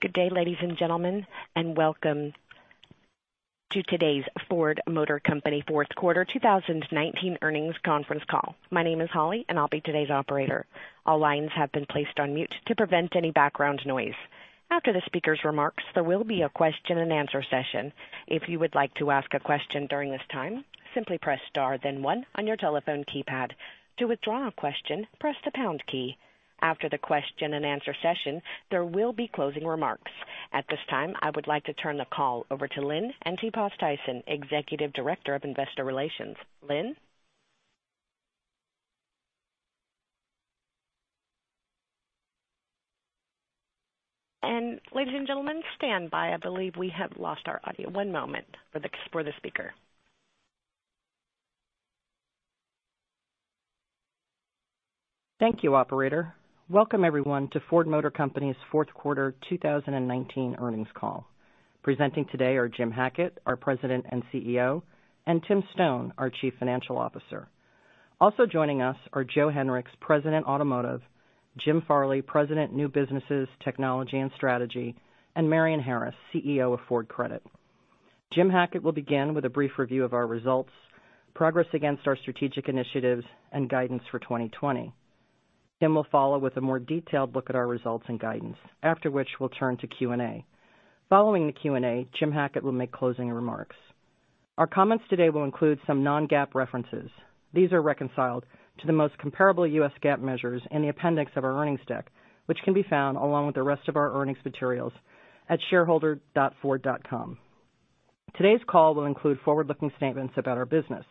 Good day, ladies and gentlemen, and welcome to today's Ford Motor Company fourth quarter 2019 earnings conference call. My name is Holly, and I'll be today's operator. All lines have been placed on mute to prevent any background noise. After the speaker's remarks, there will be a question and answer session. If you would like to ask a question during this time, simply press star then one on your telephone keypad. To withdraw a question, press the pound key. After the question and answer session, there will be closing remarks. At this time, I would like to turn the call over to Lynn Antipas Tyson, Executive Director of Investor Relations. Lynn? Ladies and gentlemen, stand by. I believe we have lost our audio. One moment for the speaker. Thank you, operator. Welcome everyone to Ford Motor Company's fourth quarter 2019 earnings call. Presenting today are Jim Hackett, our President and CEO, and Tim Stone, our Chief Financial Officer. Also joining us are Joe Hinrichs, President, Automotive, Jim Farley, President, New Businesses, Technology and Strategy, and Marion Harris, CEO of Ford Credit. Jim Hackett will begin with a brief review of our results, progress against our strategic initiatives and guidance for 2020. Tim will follow with a more detailed look at our results and guidance, after which we'll turn to Q&A. Following the Q&A, Jim Hackett will make closing remarks. Our comments today will include some non-GAAP references. These are reconciled to the most comparable US GAAP measures in the appendix of our earnings deck, which can be found along with the rest of our earnings materials at shareholder.ford.com. Today's call will include forward-looking statements about our business.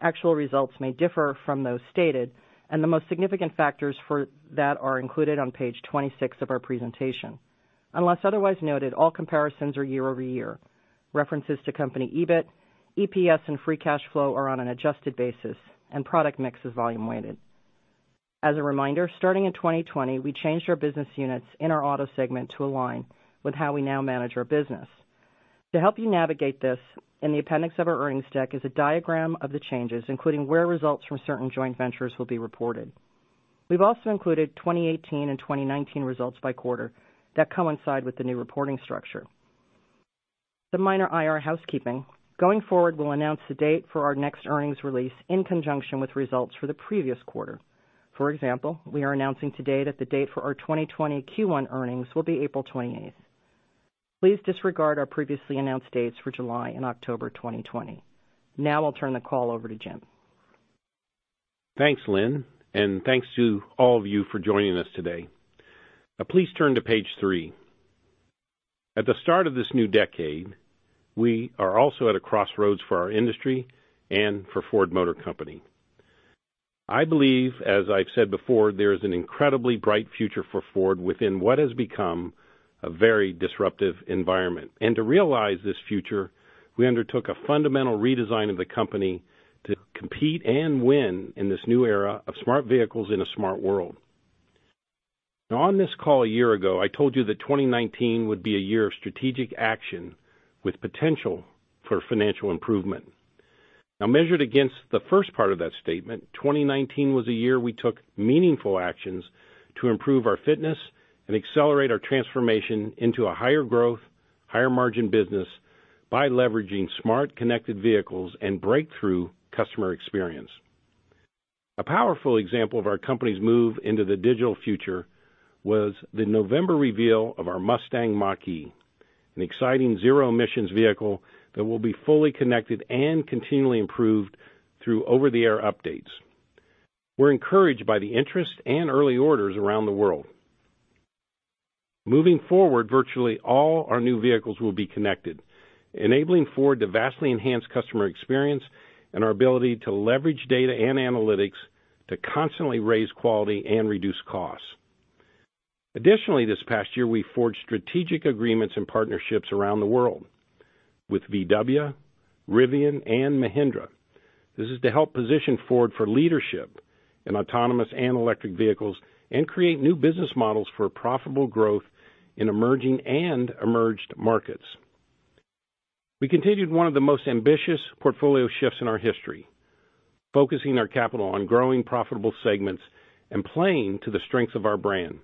Actual results may differ from those stated, and the most significant factors for that are included on page 26 of our presentation. Unless otherwise noted, all comparisons are year-over-year. References to company EBIT, EPS, and free cash flow are on an adjusted basis, and product mix is volume-weighted. As a reminder, starting in 2020, we changed our business units in our Auto segment to align with how we now manage our business. To help you navigate this, in the appendix of our earnings deck is a diagram of the changes, including where results from certain joint ventures will be reported. We've also included 2018 and 2019 results by quarter that coincide with the new reporting structure. Some minor IR housekeeping. Going forward, we'll announce the date for our next earnings release in conjunction with results for the previous quarter. For example, we are announcing today that the date for our 2020 Q1 earnings will be April 28th. Please disregard our previously-announced dates for July and October 2020. I'll turn the call over to Jim. Thanks, Lynn. Thanks to all of you for joining us today. Now please turn to page three. At the start of this new decade, we are also at a crossroads for our industry and for Ford Motor Company. I believe, as I've said before, there is an incredibly bright future for Ford within what has become a very disruptive environment. To realize this future, we undertook a fundamental redesign of the company to compete and win in this new era of smart vehicles in a smart world. Now, on this call a year ago, I told you that 2019 would be a year of strategic action with potential for financial improvement. Now, measured against the first part of that statement, 2019 was a year we took meaningful actions to improve our fitness and accelerate our transformation into a higher growth, higher margin business by leveraging smart, connected vehicles and breakthrough customer experience. A powerful example of our company's move into the digital future was the November reveal of our Mustang Mach-E, an exciting zero-emissions vehicle that will be fully connected and continually improved through over-the-air updates. We're encouraged by the interest and early orders around the world. Moving forward, virtually all our new vehicles will be connected, enabling Ford to vastly enhance customer experience and our ability to leverage data and analytics to constantly raise quality and reduce costs. Additionally, this past year, we forged strategic agreements and partnerships around the world with VW, Rivian, and Mahindra. This is to help position Ford for leadership in autonomous and electric vehicles and create new business models for profitable growth in emerging and emerged markets. We continued one of the most ambitious portfolio shifts in our history, focusing our capital on growing profitable segments and playing to the strength of our brand.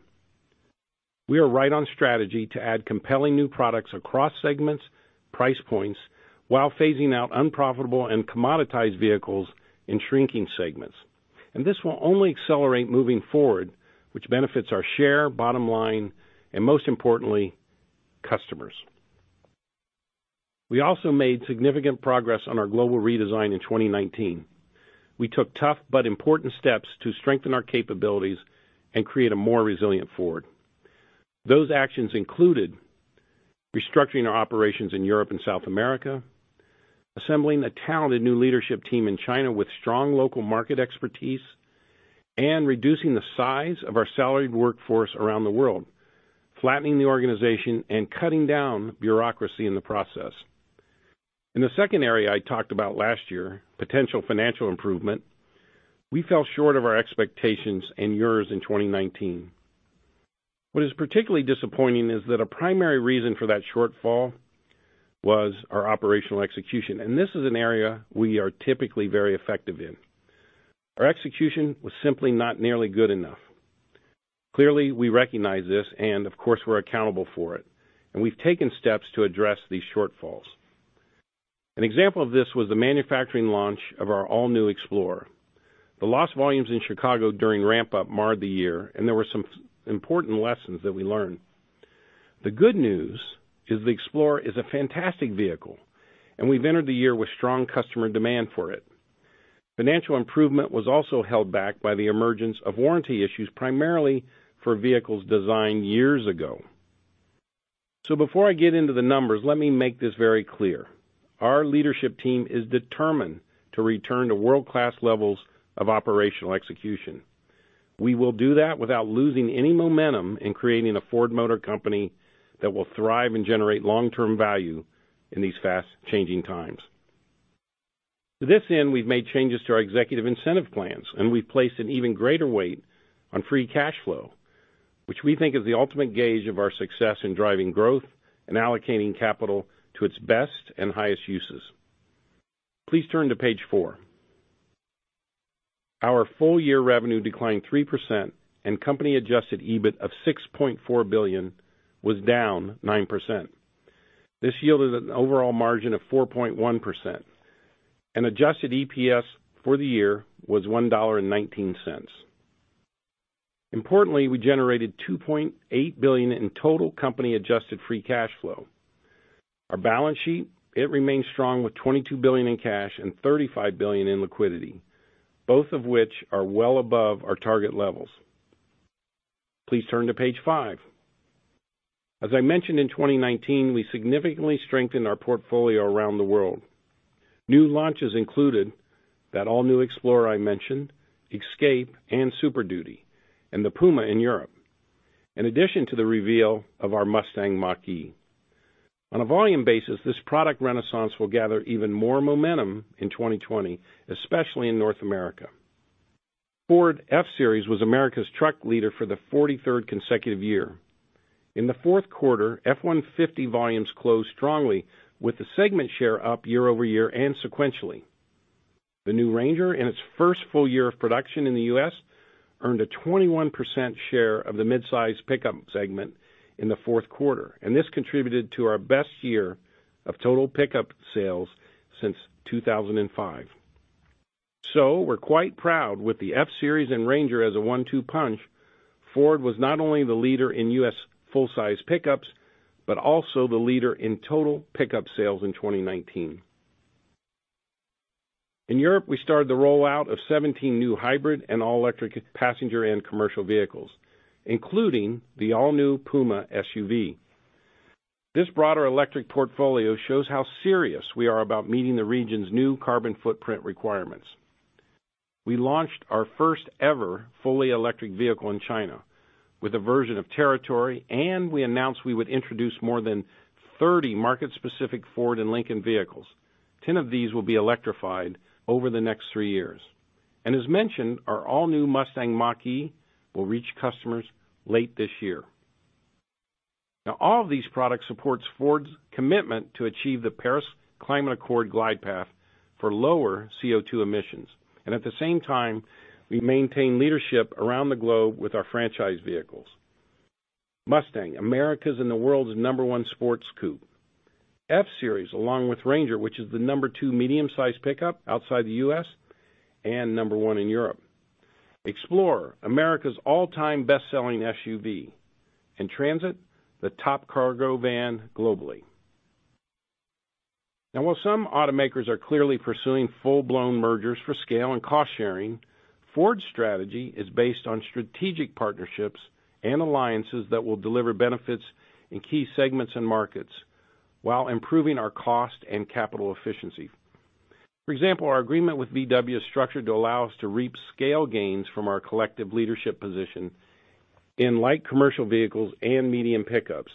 We are right on strategy to add compelling new products across segments, price points, while phasing out unprofitable and commoditized vehicles in shrinking segments. This will only accelerate moving forward, which benefits our share, bottom line, and most importantly, customers. We also made significant progress on our global redesign in 2019. We took tough but important steps to strengthen our capabilities and create a more resilient Ford. Those actions included restructuring our operations in Europe and South America, assembling a talented new leadership team in China with strong local market expertise, and reducing the size of our salaried workforce around the world, flattening the organization and cutting down bureaucracy in the process. In the second area I talked about last year, potential financial improvement, we fell short of our expectations and yours in 2019. What is particularly disappointing is that a primary reason for that shortfall was our operational execution, and this is an area we are typically very effective in. Our execution was simply not nearly good enough. Clearly, we recognize this and of course, we're accountable for it, and we've taken steps to address these shortfalls. An example of this was the manufacturing launch of our all-new Explorer. The lost volumes in Chicago during ramp-up marred the year, and there were some important lessons that we learned. The good news is the Explorer is a fantastic vehicle, and we've entered the year with strong customer demand for it. Financial improvement was also held back by the emergence of warranty issues, primarily for vehicles designed years ago. Before I get into the numbers, let me make this very clear. Our leadership team is determined to return to world-class levels of operational execution. We will do that without losing any momentum in creating a Ford Motor Company that will thrive and generate long-term value in these fast-changing times. To this end, we've made changes to our executive incentive plans, and we've placed an even greater weight on free cash flow, which we think is the ultimate gauge of our success in driving growth and allocating capital to its best and highest uses. Please turn to page four. Our full-year revenue declined 3% and company-adjusted EBIT of $6.4 billion was down 9%. This yielded an overall margin of 4.1%. Adjusted EPS for the year was $1.19. Importantly, we generated $2.8 billion in total company-adjusted free cash flow. Our balance sheet, it remains strong with $22 billion in cash and $35 billion in liquidity, both of which are well above our target levels. Please turn to page five. As I mentioned in 2019, we significantly strengthened our portfolio around the world. New launches included that all-new Explorer I mentioned, Escape and Super Duty, and the Puma in Europe, in addition to the reveal of our Mustang Mach-E. On a volume basis, this product renaissance will gather even more momentum in 2020, especially in North America. Ford F-Series was America's truck leader for the 43rd consecutive year. In the fourth quarter, F-150 volumes closed strongly with the segment share up year-over-year and sequentially. The new Ranger, in its first full year of production in the U.S., earned a 21% share of the midsize pickup segment in the fourth quarter, and this contributed to our best year of total pickup sales since 2005. We're quite proud with the F-Series and Ranger as a one-two punch. Ford was not only the leader in U.S. full-size pickups, but also the leader in total pickup sales in 2019. In Europe, we started the rollout of 17 new hybrid and all-electric passenger and commercial vehicles, including the all-new Puma SUV. This broader electric portfolio shows how serious we are about meeting the region's new carbon footprint requirements. We launched our first ever fully electric vehicle in China with a version of Territory, and we announced we would introduce more than 30 market-specific Ford and Lincoln vehicles. 10 of these will be electrified over the next three years. As mentioned, our all-new Mustang Mach-E will reach customers late this year. All of these products supports Ford's commitment to achieve the Paris Climate Accord glide path for lower CO2 emissions. At the same time, we maintain leadership around the globe with our franchise vehicles. Mustang, America's and the world's number one sports coupe. F-Series, along with Ranger, which is the number two medium-size pickup outside the U.S. and number one in Europe. Explorer, America's all-time best-selling SUV. Transit, the top cargo van globally. Now, while some automakers are clearly pursuing full-blown mergers for scale and cost-sharing, Ford's strategy is based on strategic partnerships and alliances that will deliver benefits in key segments and markets while improving our cost and capital efficiency. For example, our agreement with VW is structured to allow us to reap scale gains from our collective leadership position in light commercial vehicles and medium pickups,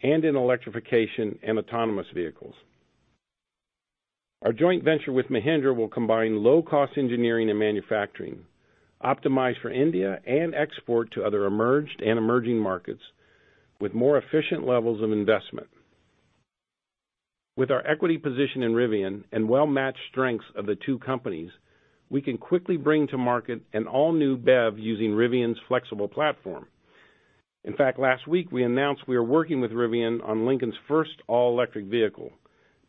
and in electrification and autonomous vehicles. Our joint venture with Mahindra will combine low-cost engineering and manufacturing, optimized for India and export to other emerged and emerging markets with more efficient levels of investment. With our equity position in Rivian and well-matched strengths of the two companies, we can quickly bring to market an all-new BEV using Rivian's flexible platform. In fact, last week we announced we are working with Rivian on Lincoln's first all-electric vehicle,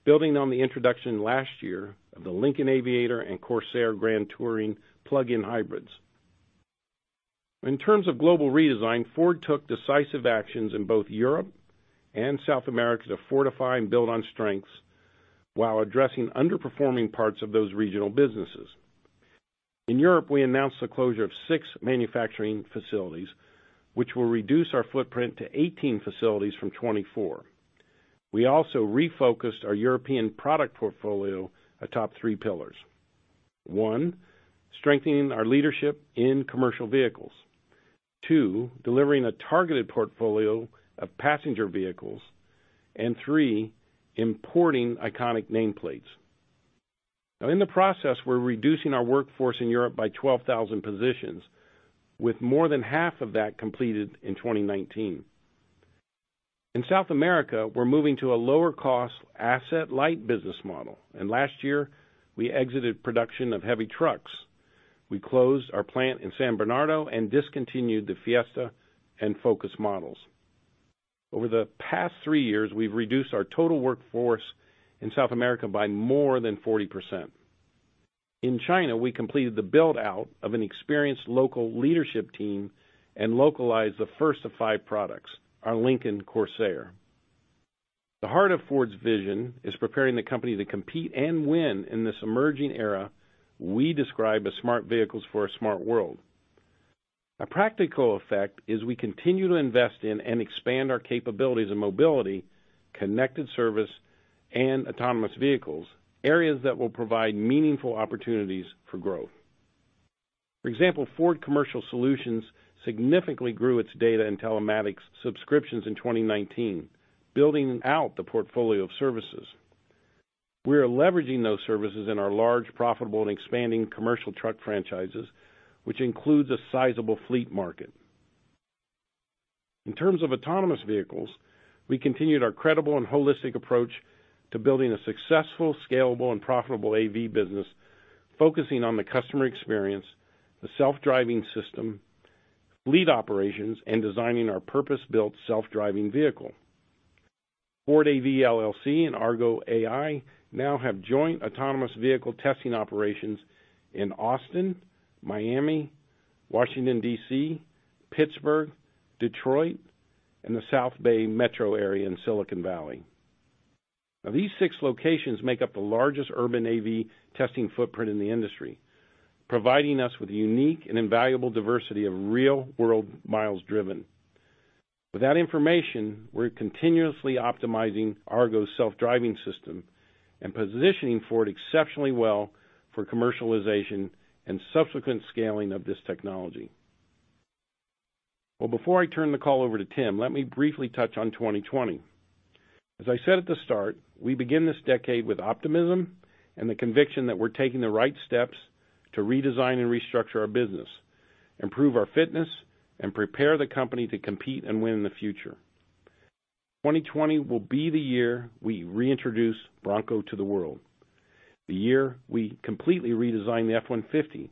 building on the introduction last year of the Lincoln Aviator and Corsair Grand Touring plug-in hybrids. In terms of global redesign, Ford took decisive actions in both Europe and South America to fortify and build on strengths while addressing underperforming parts of those regional businesses. In Europe, we announced the closure of six manufacturing facilities, which will reduce our footprint to 18 facilities from 24. We also refocused our European product portfolio atop three pillars. One, strengthening our leadership in commercial vehicles. Two, delivering a targeted portfolio of passenger vehicles. Three, importing iconic nameplates. In the process, we're reducing our workforce in Europe by 12,000 positions, with more than half of that completed in 2019. In South America, we're moving to a lower-cost asset-light business model. Last year, we exited production of heavy trucks. We closed our plant in São Bernardo and discontinued the Fiesta and Focus models. Over the past three years, we've reduced our total workforce in South America by more than 40%. In China, we completed the build-out of an experienced local leadership team and localized the first of five products, our Lincoln Corsair. The heart of Ford's vision is preparing the company to compete and win in this emerging era we describe as smart vehicles for a smart world. A practical effect is we continue to invest in and expand our capabilities in mobility, connected service, and autonomous vehicles, areas that will provide meaningful opportunities for growth. For example, Ford Commercial Solutions significantly grew its data and telematics subscriptions in 2019, building out the portfolio of services. We are leveraging those services in our large, profitable, and expanding commercial truck franchises, which includes a sizable fleet market. In terms of autonomous vehicles, we continued our credible and holistic approach to building a successful, scalable, and profitable AV business, focusing on the customer experience, the self-driving system, fleet operations, and designing our purpose-built self-driving vehicle. Ford AV LLC and Argo AI now have joint autonomous vehicle testing operations in Austin, Miami, Washington, D.C., Pittsburgh, Detroit, and the South Bay Metro area in Silicon Valley. Now, these six locations make up the largest urban AV testing footprint in the industry, providing us with a unique and invaluable diversity of real-world miles driven. With that information, we're continuously optimizing Argo's self-driving system and positioning Ford exceptionally well for commercialization and subsequent scaling of this technology. Well, before I turn the call over to Tim, let me briefly touch on 2020. As I said at the start, we begin this decade with optimism and the conviction that we're taking the right steps to redesign and restructure our business, improve our fitness, and prepare the company to compete and win in the future. 2020 will be the year we reintroduce Bronco to the world. The year we completely redesign the F-150.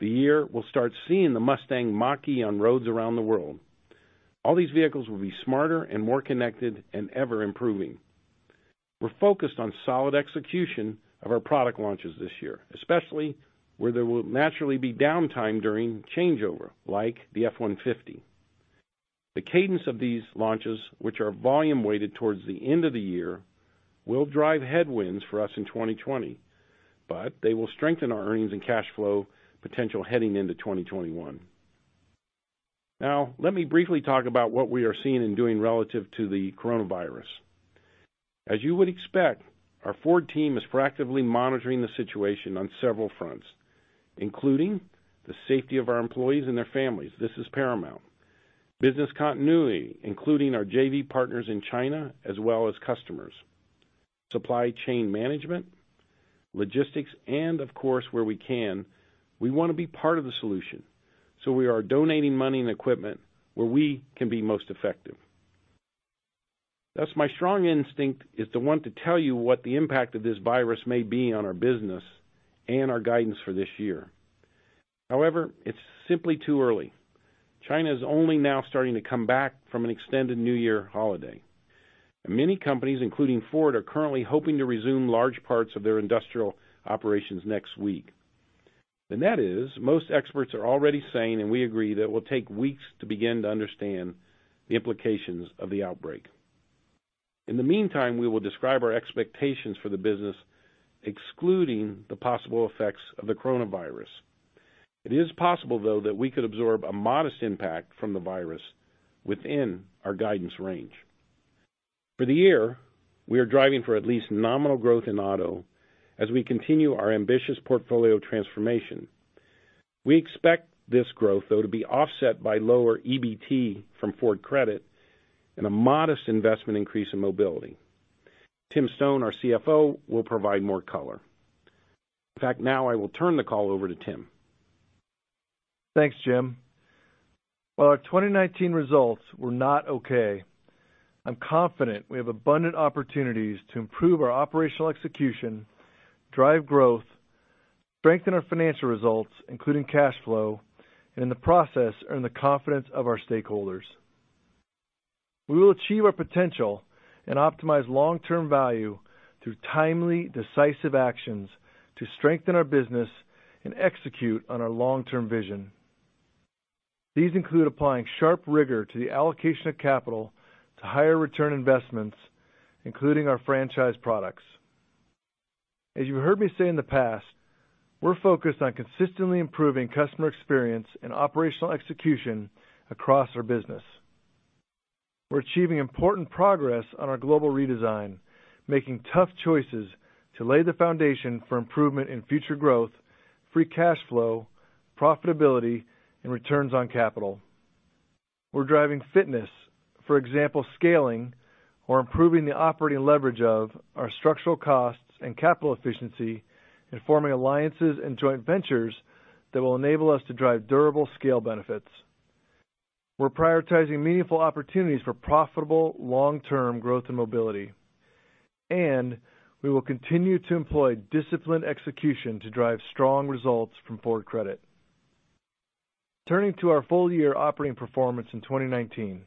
The year we'll start seeing the Mustang Mach-E on roads around the world. All these vehicles will be smarter and more connected and ever improving. We're focused on solid execution of our product launches this year, especially where there will naturally be downtime during changeover, like the F-150. The cadence of these launches, which are volume weighted towards the end of the year, will drive headwinds for us in 2020, but they will strengthen our earnings and cash flow potential heading into 2021. Now, let me briefly talk about what we are seeing and doing relative to the coronavirus. As you would expect, our Ford team is proactively monitoring the situation on several fronts, including the safety of our employees and their families. This is paramount Business continuity, including our JV partners in China, as well as customers. Supply chain management, logistics, and of course, where we can, we want to be part of the solution, so we are donating money and equipment where we can be most effective. Thus, my strong instinct is to want to tell you what the impact of this virus may be on our business and our guidance for this year. However, it's simply too early. China's only now starting to come back from an extended New Year holiday. Many companies, including Ford, are currently hoping to resume large parts of their industrial operations next week. That is, most experts are already saying, and we agree, that it will take weeks to begin to understand the implications of the outbreak. In the meantime, we will describe our expectations for the business, excluding the possible effects of the coronavirus. It is possible, though, that we could absorb a modest impact from the virus within our guidance range. For the year, we are driving for at least nominal growth in Auto as we continue our ambitious portfolio transformation. We expect this growth, though, to be offset by lower EBT from Ford Credit and a modest investment increase in mobility. Tim Stone, our CFO, will provide more color. In fact, now I will turn the call over to Tim. Thanks, Jim. While our 2019 results were not okay, I'm confident we have abundant opportunities to improve our operational execution, drive growth, strengthen our financial results, including cash flow, and in the process, earn the confidence of our stakeholders. We will achieve our potential and optimize long-term value through timely, decisive actions to strengthen our business and execute on our long-term vision. These include applying sharp rigor to the allocation of capital to higher-return investments, including our franchise products. As you heard me say in the past, we're focused on consistently improving customer experience and operational execution across our business. We're achieving important progress on our global redesign, making tough choices to lay the foundation for improvement in future growth, free cash flow, profitability, and returns on capital. We're driving fitness, for example, scaling or improving the operating leverage of our structural costs and capital efficiency, in forming alliances and joint ventures that will enable us to drive durable scale benefits. We're prioritizing meaningful opportunities for profitable long-term growth and mobility. We will continue to employ disciplined execution to drive strong results from Ford Credit. Turning to our full-year operating performance in 2019.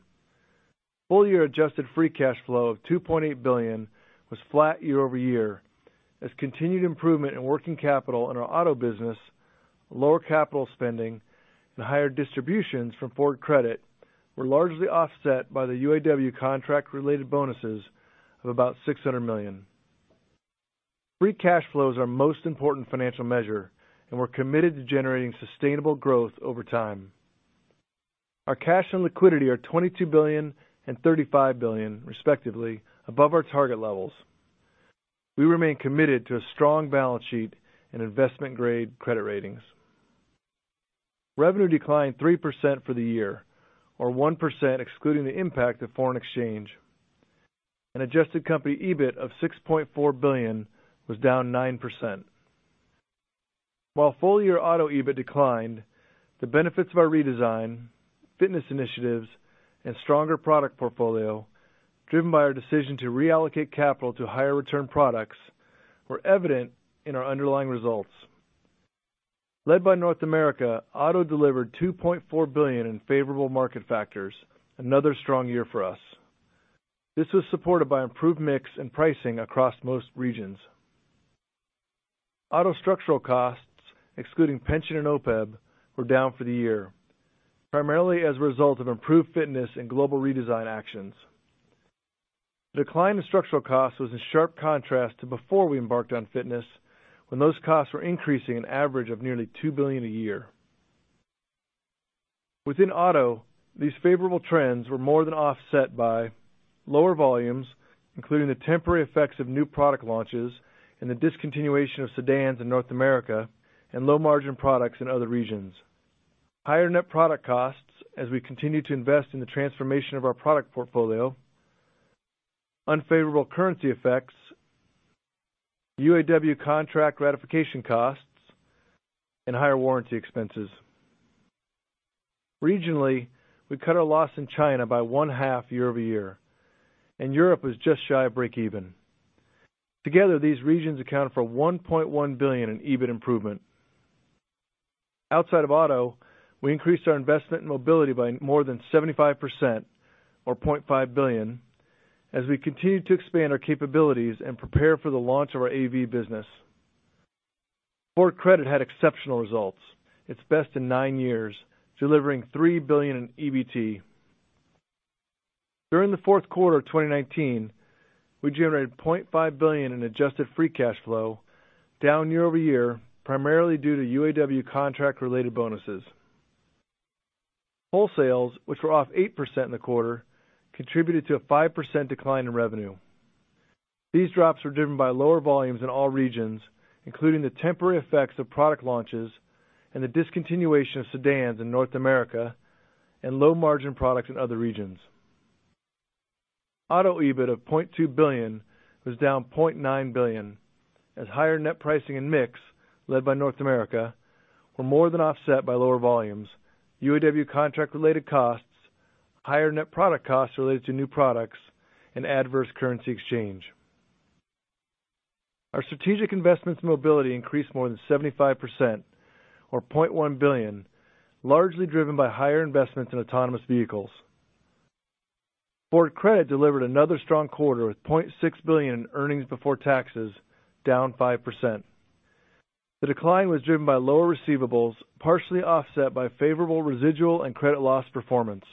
Full-year adjusted free cash flow of $2.8 billion was flat year-over-year as continued improvement in working capital in our Auto business, lower capital spending, and higher distributions from Ford Credit were largely offset by the UAW contract-related bonuses of about $600 million. Free cash flow is our most important financial measure, and we're committed to generating sustainable growth over time. Our cash and liquidity are $22 billion and $35 billion, respectively, above our target levels. We remain committed to a strong balance sheet and investment-grade credit ratings. Revenue declined 3% for the year, or 1% excluding the impact of foreign exchange. Adjusted company EBIT of $6.4 billion was down 9%. While full-year Auto EBIT declined, the benefits of our redesign, fitness initiatives, and stronger product portfolio, driven by our decision to reallocate capital to higher-return products, were evident in our underlying results. Led by North America, Auto delivered $2.4 billion in favorable market factors, another strong year for us. This was supported by improved mix and pricing across most regions. Auto structural costs, excluding pension and OPEB, were down for the year, primarily as a result of improved fitness and global redesign actions. Decline in structural costs was in sharp contrast to before we embarked on fitness, when those costs were increasing an average of nearly $2 billion a year. Within Auto, these favorable trends were more than offset by lower volumes, including the temporary effects of new product launches and the discontinuation of sedans in North America, and low-margin products in other regions, higher net product costs as we continue to invest in the transformation of our product portfolio, unfavorable currency effects, UAW contract ratification costs, and higher warranty expenses. Regionally, we cut our loss in China by one half year-over-year, and Europe was just shy of break-even. Together, these regions accounted for $1.1 billion in EBIT improvement. Outside of Auto, we increased our investment in mobility by more than 75%, or $0.5 billion, as we continue to expand our capabilities and prepare for the launch of our AV business. Ford Credit had exceptional results, its best in nine years, delivering $3 billion in EBT. During the fourth quarter of 2019, we generated $0.5 billion in adjusted free cash flow, down year-over-year, primarily due to UAW contract-related bonuses. Wholesales, which were off 8% in the quarter, contributed to a 5% decline in revenue. These drops were driven by lower volumes in all regions, including the temporary effects of product launches and the discontinuation of sedans in North America, and low-margin products in other regions. Auto EBIT of $0.2 billion was down $0.9 billion as higher net pricing and mix led by North America were more than offset by lower volumes, UAW contract-related costs, higher net product costs related to new products, and adverse currency exchange. Our strategic investments in mobility increased more than 75%, or $0.1 billion, largely driven by higher investments in autonomous vehicles. Ford Credit delivered another strong quarter with $0.6 billion in earnings before taxes, down 5%. The decline was driven by lower receivables, partially offset by favorable residual and credit loss performance.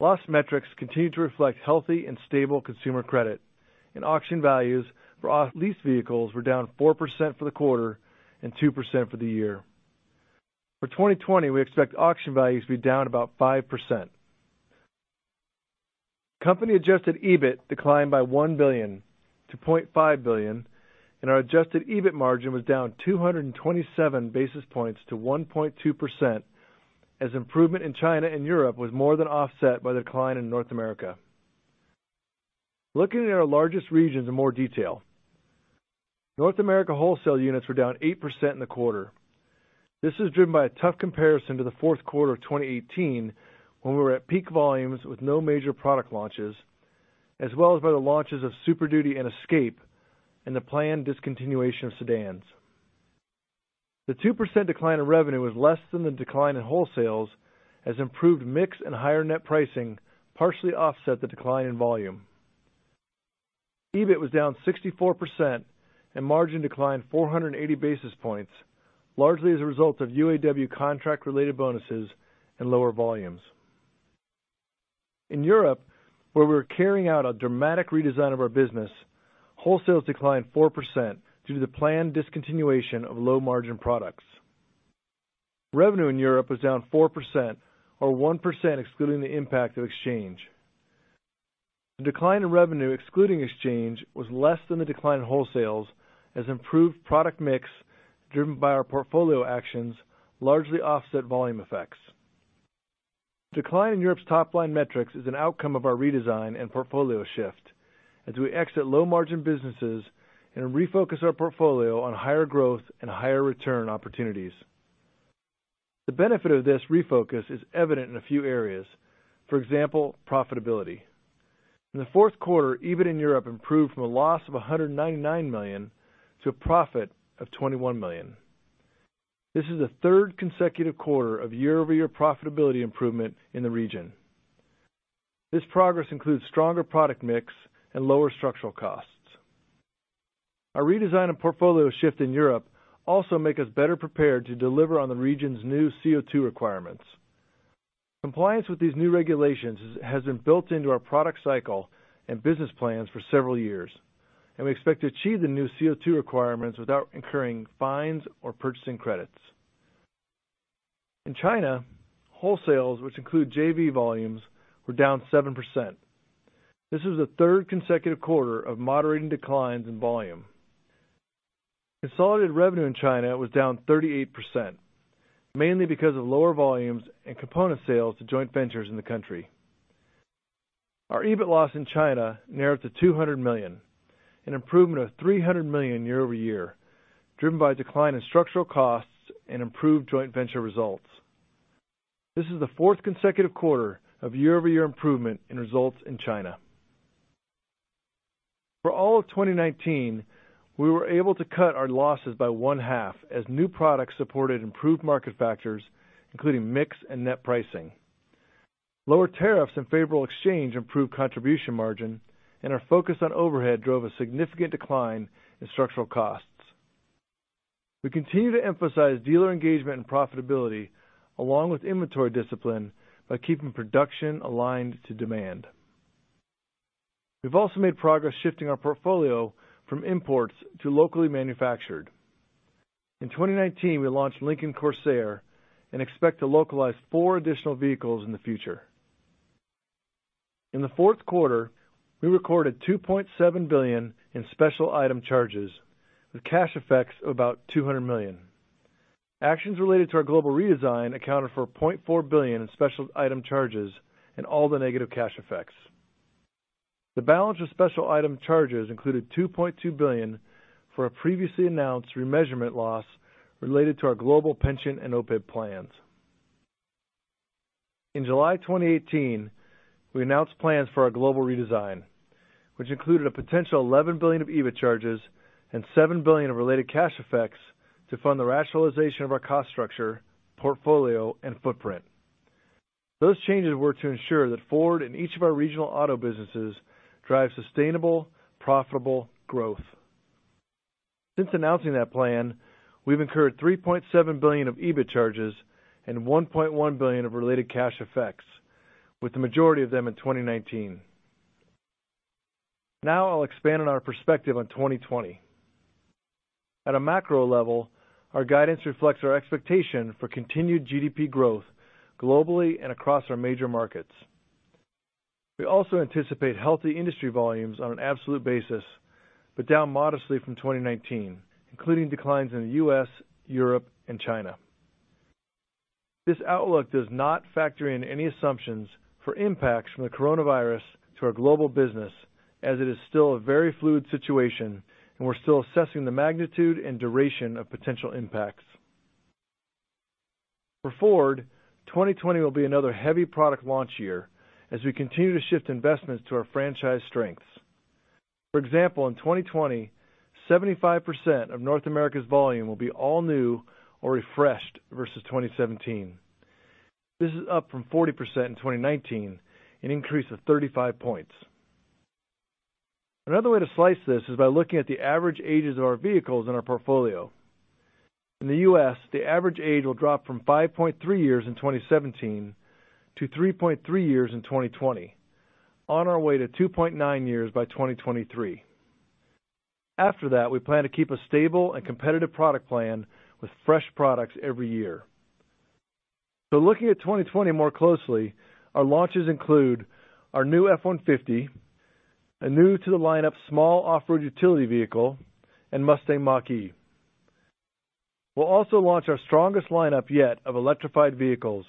Loss metrics continue to reflect healthy and stable consumer credit and auction values for off-lease vehicles were down 4% for the quarter and 2% for the year. For 2020, we expect auction values to be down about 5%. Company-adjusted EBIT declined by $1 billion to $0.5 billion, and our adjusted EBIT margin was down 227 basis points to 1.2% as improvement in China and Europe was more than offset by the decline in North America. Looking at our largest regions in more detail. North America wholesale units were down 8% in the quarter. This is driven by a tough comparison to the fourth quarter of 2018, when we were at peak volumes with no major product launches, as well as by the launches of Super Duty and Escape and the planned discontinuation of sedans. The 2% decline in revenue was less than the decline in wholesales as improved mix and higher net pricing partially offset the decline in volume. EBIT was down 64%, and margin declined 480 basis points, largely as a result of UAW contract-related bonuses and lower volumes. In Europe, where we're carrying out a dramatic redesign of our business, wholesales declined 4% due to the planned discontinuation of low-margin products. Revenue in Europe was down 4%, or 1% excluding the impact of exchange. The decline in revenue excluding exchange was less than the decline in wholesales as improved product mix, driven by our portfolio actions, largely offset volume effects. Decline in Europe's top-line metrics is an outcome of our redesign and portfolio shift as we exit low-margin businesses and refocus our portfolio on higher growth and higher-return opportunities. The benefit of this refocus is evident in a few areas. For example, profitability. In the fourth quarter, EBIT in Europe improved from a loss of $199 million to a profit of $21 million. This is the third consecutive quarter of year-over-year profitability improvement in the region. This progress includes stronger product mix and lower structural costs. Our redesign of portfolio shift in Europe also make us better prepared to deliver on the region's new CO2 requirements. Compliance with these new regulations has been built into our product cycle and business plans for several years, and we expect to achieve the new CO2 requirements without incurring fines or purchasing credits. In China, wholesales, which include JV volumes, were down 7%. This is the third consecutive quarter of moderating declines in volume. Consolidated revenue in China was down 38%, mainly because of lower volumes and component sales to joint ventures in the country. Our EBIT loss in China narrowed to $200 million, an improvement of $300 million year-over-year, driven by a decline in structural costs and improved joint venture results. This is the fourth consecutive quarter of year-over-year improvement in results in China. For all of 2019, we were able to cut our losses by one half as new products supported improved market factors, including mix and net pricing. Lower tariffs and favorable exchange improved contribution margin and our focus on overhead drove a significant decline in structural costs. We continue to emphasize dealer engagement and profitability along with inventory discipline by keeping production aligned to demand. We've also made progress shifting our portfolio from imports to locally manufactured. In 2019, we launched Lincoln Corsair and expect to localize four additional vehicles in the future. In the fourth quarter, we recorded $2.7 billion in special item charges with cash effects of about $200 million. Actions related to our global redesign accounted for $0.4 billion in special item charges and all the negative cash effects. The balance of special item charges included $2.2 billion for a previously announced remeasurement loss related to our global pension and OPEB plans. In July 2018, we announced plans for our global redesign, which included a potential $11 billion of EBIT charges and $7 billion of related cash effects to fund the rationalization of our cost structure, portfolio, and footprint. Those changes were to ensure that Ford and each of our regional auto businesses drive sustainable, profitable growth. Since announcing that plan, we've incurred $3.7 billion of EBIT charges and $1.1 billion of related cash effects, with the majority of them in 2019. Now I'll expand on our perspective on 2020. At a macro level, our guidance reflects our expectation for continued GDP growth globally and across our major markets. We also anticipate healthy industry volumes on an absolute basis, but down modestly from 2019, including declines in the U.S., Europe, and China. This outlook does not factor in any assumptions for impacts from the coronavirus to our global business as it is still a very fluid situation, and we're still assessing the magnitude and duration of potential impacts. For Ford, 2020 will be another heavy product launch year as we continue to shift investments to our franchise strengths. For example, in 2020, 75% of North America's volume will be all new or refreshed versus 2017. This is up from 40% in 2019, an increase of 35 points. Another way to slice this is by looking at the average ages of our vehicles in our portfolio. In the U.S., the average age will drop from 5.3 years in 2017 to 3.3 years in 2020, on our way to 2.9 years by 2023. After that, we plan to keep a stable and competitive product plan with fresh products every year. Looking at 2020 more closely, our launches include our new F-150, a new to the lineup small off-road utility vehicle, and Mustang Mach-E. We'll also launch our strongest lineup yet of electrified vehicles,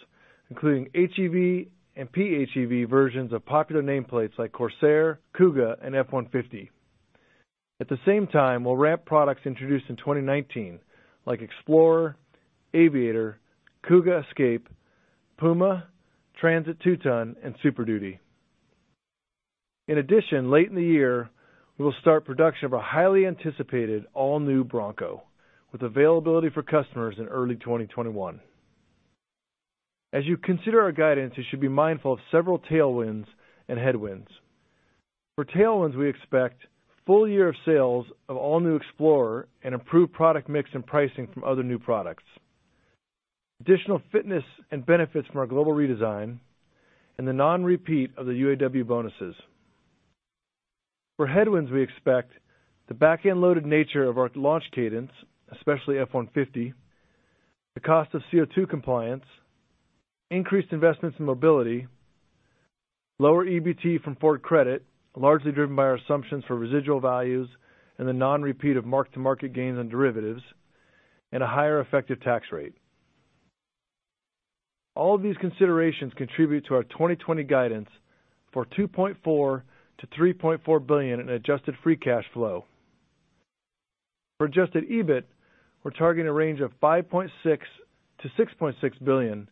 including HEV and PHEV versions of popular nameplates like Corsair, Kuga, and F-150. At the same time, we'll ramp products introduced in 2019 like Explorer, Aviator, Kuga, Escape, Puma, Transit 2-Tonne, and Super Duty. In addition, late in the year, we will start production of a highly anticipated all-new Bronco with availability for customers in early 2021. As you consider our guidance, you should be mindful of several tailwinds and headwinds. For tailwinds, we expect full year of sales of all-new Explorer and improved product mix and pricing from other new products, additional fitness and benefits from our global redesign, and the non-repeat of the UAW bonuses. For headwinds, we expect the back-end-loaded nature of our launch cadence, especially F-150, the cost of CO2 compliance, increased investments in mobility. Lower EBT from Ford Credit, largely driven by our assumptions for residual values and the non-repeat of mark-to-market gains on derivatives, and a higher effective tax rate. All of these considerations contribute to our 2020 guidance for $2.4 billion-$3.4 billion in adjusted free cash flow. For adjusted EBIT, we're targeting a range of $5.6 billion-$6.6 billion,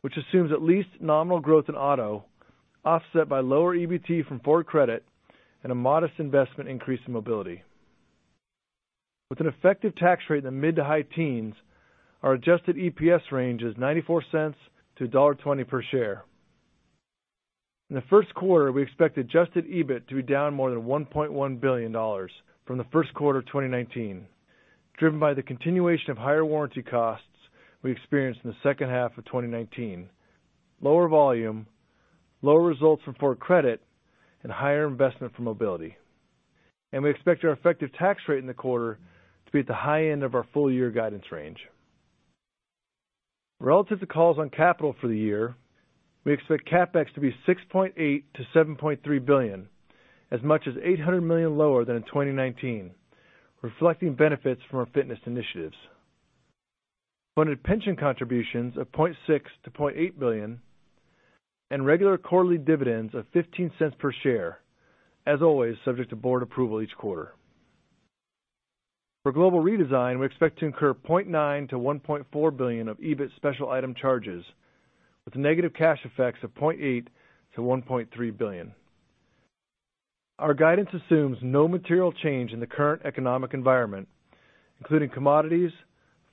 which assumes at least nominal growth in Auto, offset by lower EBT from Ford Credit and a modest investment increase in mobility. With an effective tax rate in the mid to high teens, our adjusted EPS range is $0.94-$1.20 per share. In the first quarter, we expect adjusted EBIT to be down more than $1.1 billion from the first quarter of 2019, driven by the continuation of higher warranty costs we experienced in the second half of 2019, lower volume, lower results from Ford Credit, and higher investment for mobility. We expect our effective tax rate in the quarter to be at the high end of our full-year guidance range. Relative to calls on capital for the year, we expect CapEx to be $6.8 billion-$7.3 billion, as much as $800 million lower than in 2019, reflecting benefits from our fitness initiatives. Funded pension contributions of $0.6 billion-$0.8 billion and regular quarterly dividends of $0.15 per share, as always, subject to board approval each quarter. For global redesign, we expect to incur $0.9 billion-$1.4 billion of EBIT special item charges with negative cash effects of $0.8 billion-$1.3 billion. Our guidance assumes no material change in the current economic environment, including commodities,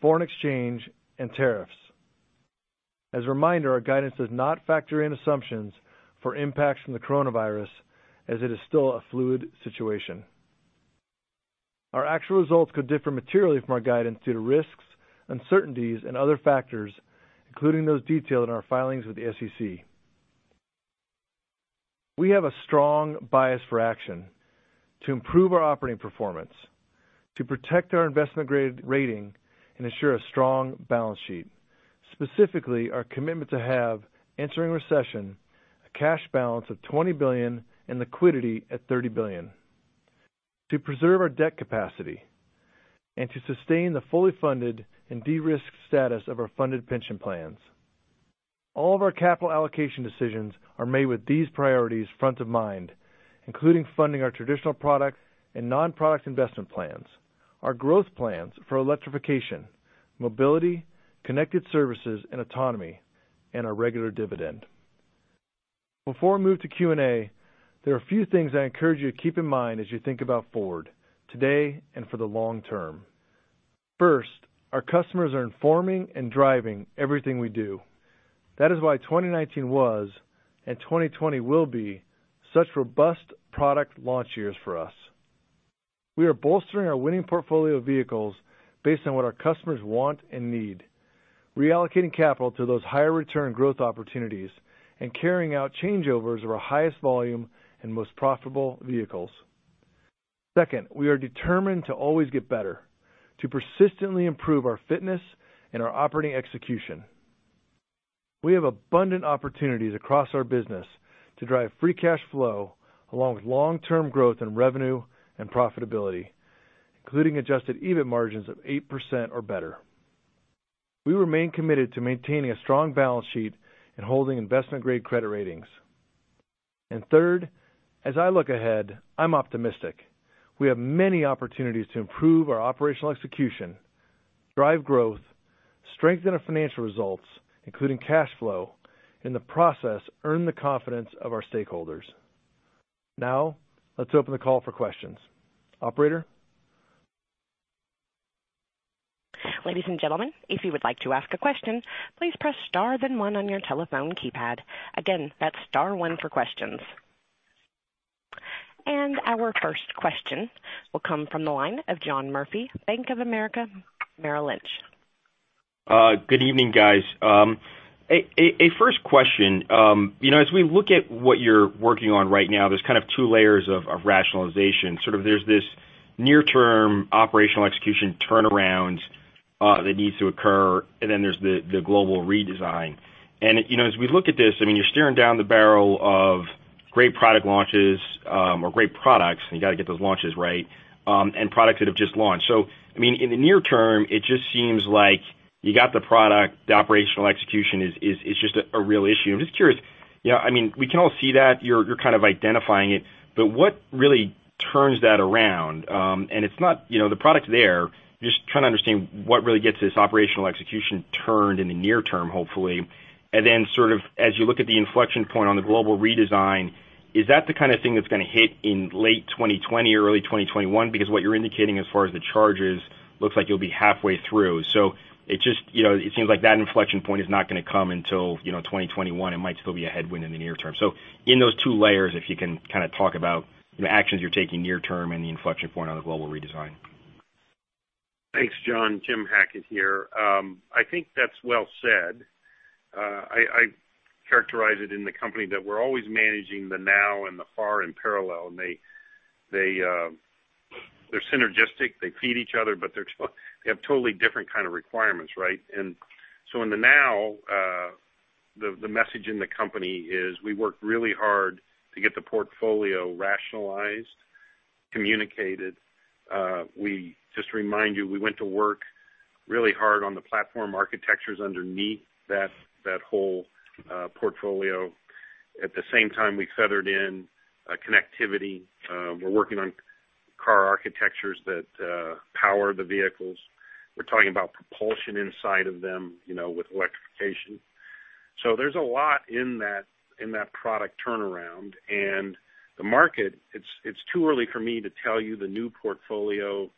foreign exchange, and tariffs. As a reminder, our guidance does not factor in assumptions for impacts from the coronavirus, as it is still a fluid situation. Our actual results could differ materially from our guidance due to risks, uncertainties, and other factors, including those detailed in our filings with the SEC. We have a strong bias for action to improve our operating performance, to protect our investment-grade rating and ensure a strong balance sheet. Specifically, our commitment to have, entering recession, a cash balance of $20 billion and liquidity at $30 billion, to preserve our debt capacity, and to sustain the fully funded and de-risked status of our funded pension plans. All of our capital allocation decisions are made with these priorities front of mind, including funding our traditional product and non-product investment plans, our growth plans for electrification, mobility, connected services, and autonomy, and our regular dividend. Before I move to Q&A, there are a few things I encourage you to keep in mind as you think about Ford today and for the long term. First, our customers are informing and driving everything we do. That is why 2019 was, and 2020 will be, such robust product launch years for us. We are bolstering our winning portfolio of vehicles based on what our customers want and need, reallocating capital to those higher return growth opportunities and carrying out changeovers of our highest volume and most profitable vehicles. Second, we are determined to always get better, to persistently improve our fitness and our operating execution. We have abundant opportunities across our business to drive free cash flow along with long-term growth in revenue and profitability, including adjusted EBIT margins of 8% or better. We remain committed to maintaining a strong balance sheet and holding investment-grade credit ratings. Third, as I look ahead, I'm optimistic. We have many opportunities to improve our operational execution, drive growth, strengthen our financial results, including cash flow, in the process, earn the confidence of our stakeholders. Now, let's open the call for questions. Operator? Ladies and gentlemen, if you would like to ask a question, please press star then one on your telephone keypad. Again, that's star one for questions. Our first question will come from the line of John Murphy, Bank of America Merrill Lynch. Good evening, guys. A first question. As we look at what you're working on right now, there's kind of two layers of rationalization. There's this near-term operational execution turnaround that needs to occur, and then there's the global redesign. As we look at this, you're staring down the barrel of great product launches or great products, and you got to get those launches right, and products that have just launched. In the near term, it just seems like you got the product, the operational execution is just a real issue. I'm just curious, we can all see that you're kind of identifying it, but what really turns that around? The product's there. Just trying to understand what really gets this operational execution turned in the near term, hopefully. As you look at the inflection point on the global redesign, is that the kind of thing that's going to hit in late 2020 or early 2021? What you're indicating as far as the charges looks like you'll be halfway through. It seems like that inflection point is not going to come until 2021. It might still be a headwind in the near term. In those two layers, if you can talk about the actions you're taking near term and the inflection point on the global redesign. Thanks, John. Jim Hackett here. I think that's well said. I characterize it in the company that we're always managing the now and the far in parallel, and they. They're synergistic. They feed each other, but they have totally different kind of requirements, right? In the now, the message in the company is we worked really hard to get the portfolio rationalized, communicated. Just to remind you, we went to work really hard on the platform architectures underneath that whole portfolio. At the same time, we feathered in connectivity. We're working on car architectures that power the vehicles. We're talking about propulsion inside of them with electrification. There's a lot in that product turnaround and the market, it's too early for me to tell you the new portfolio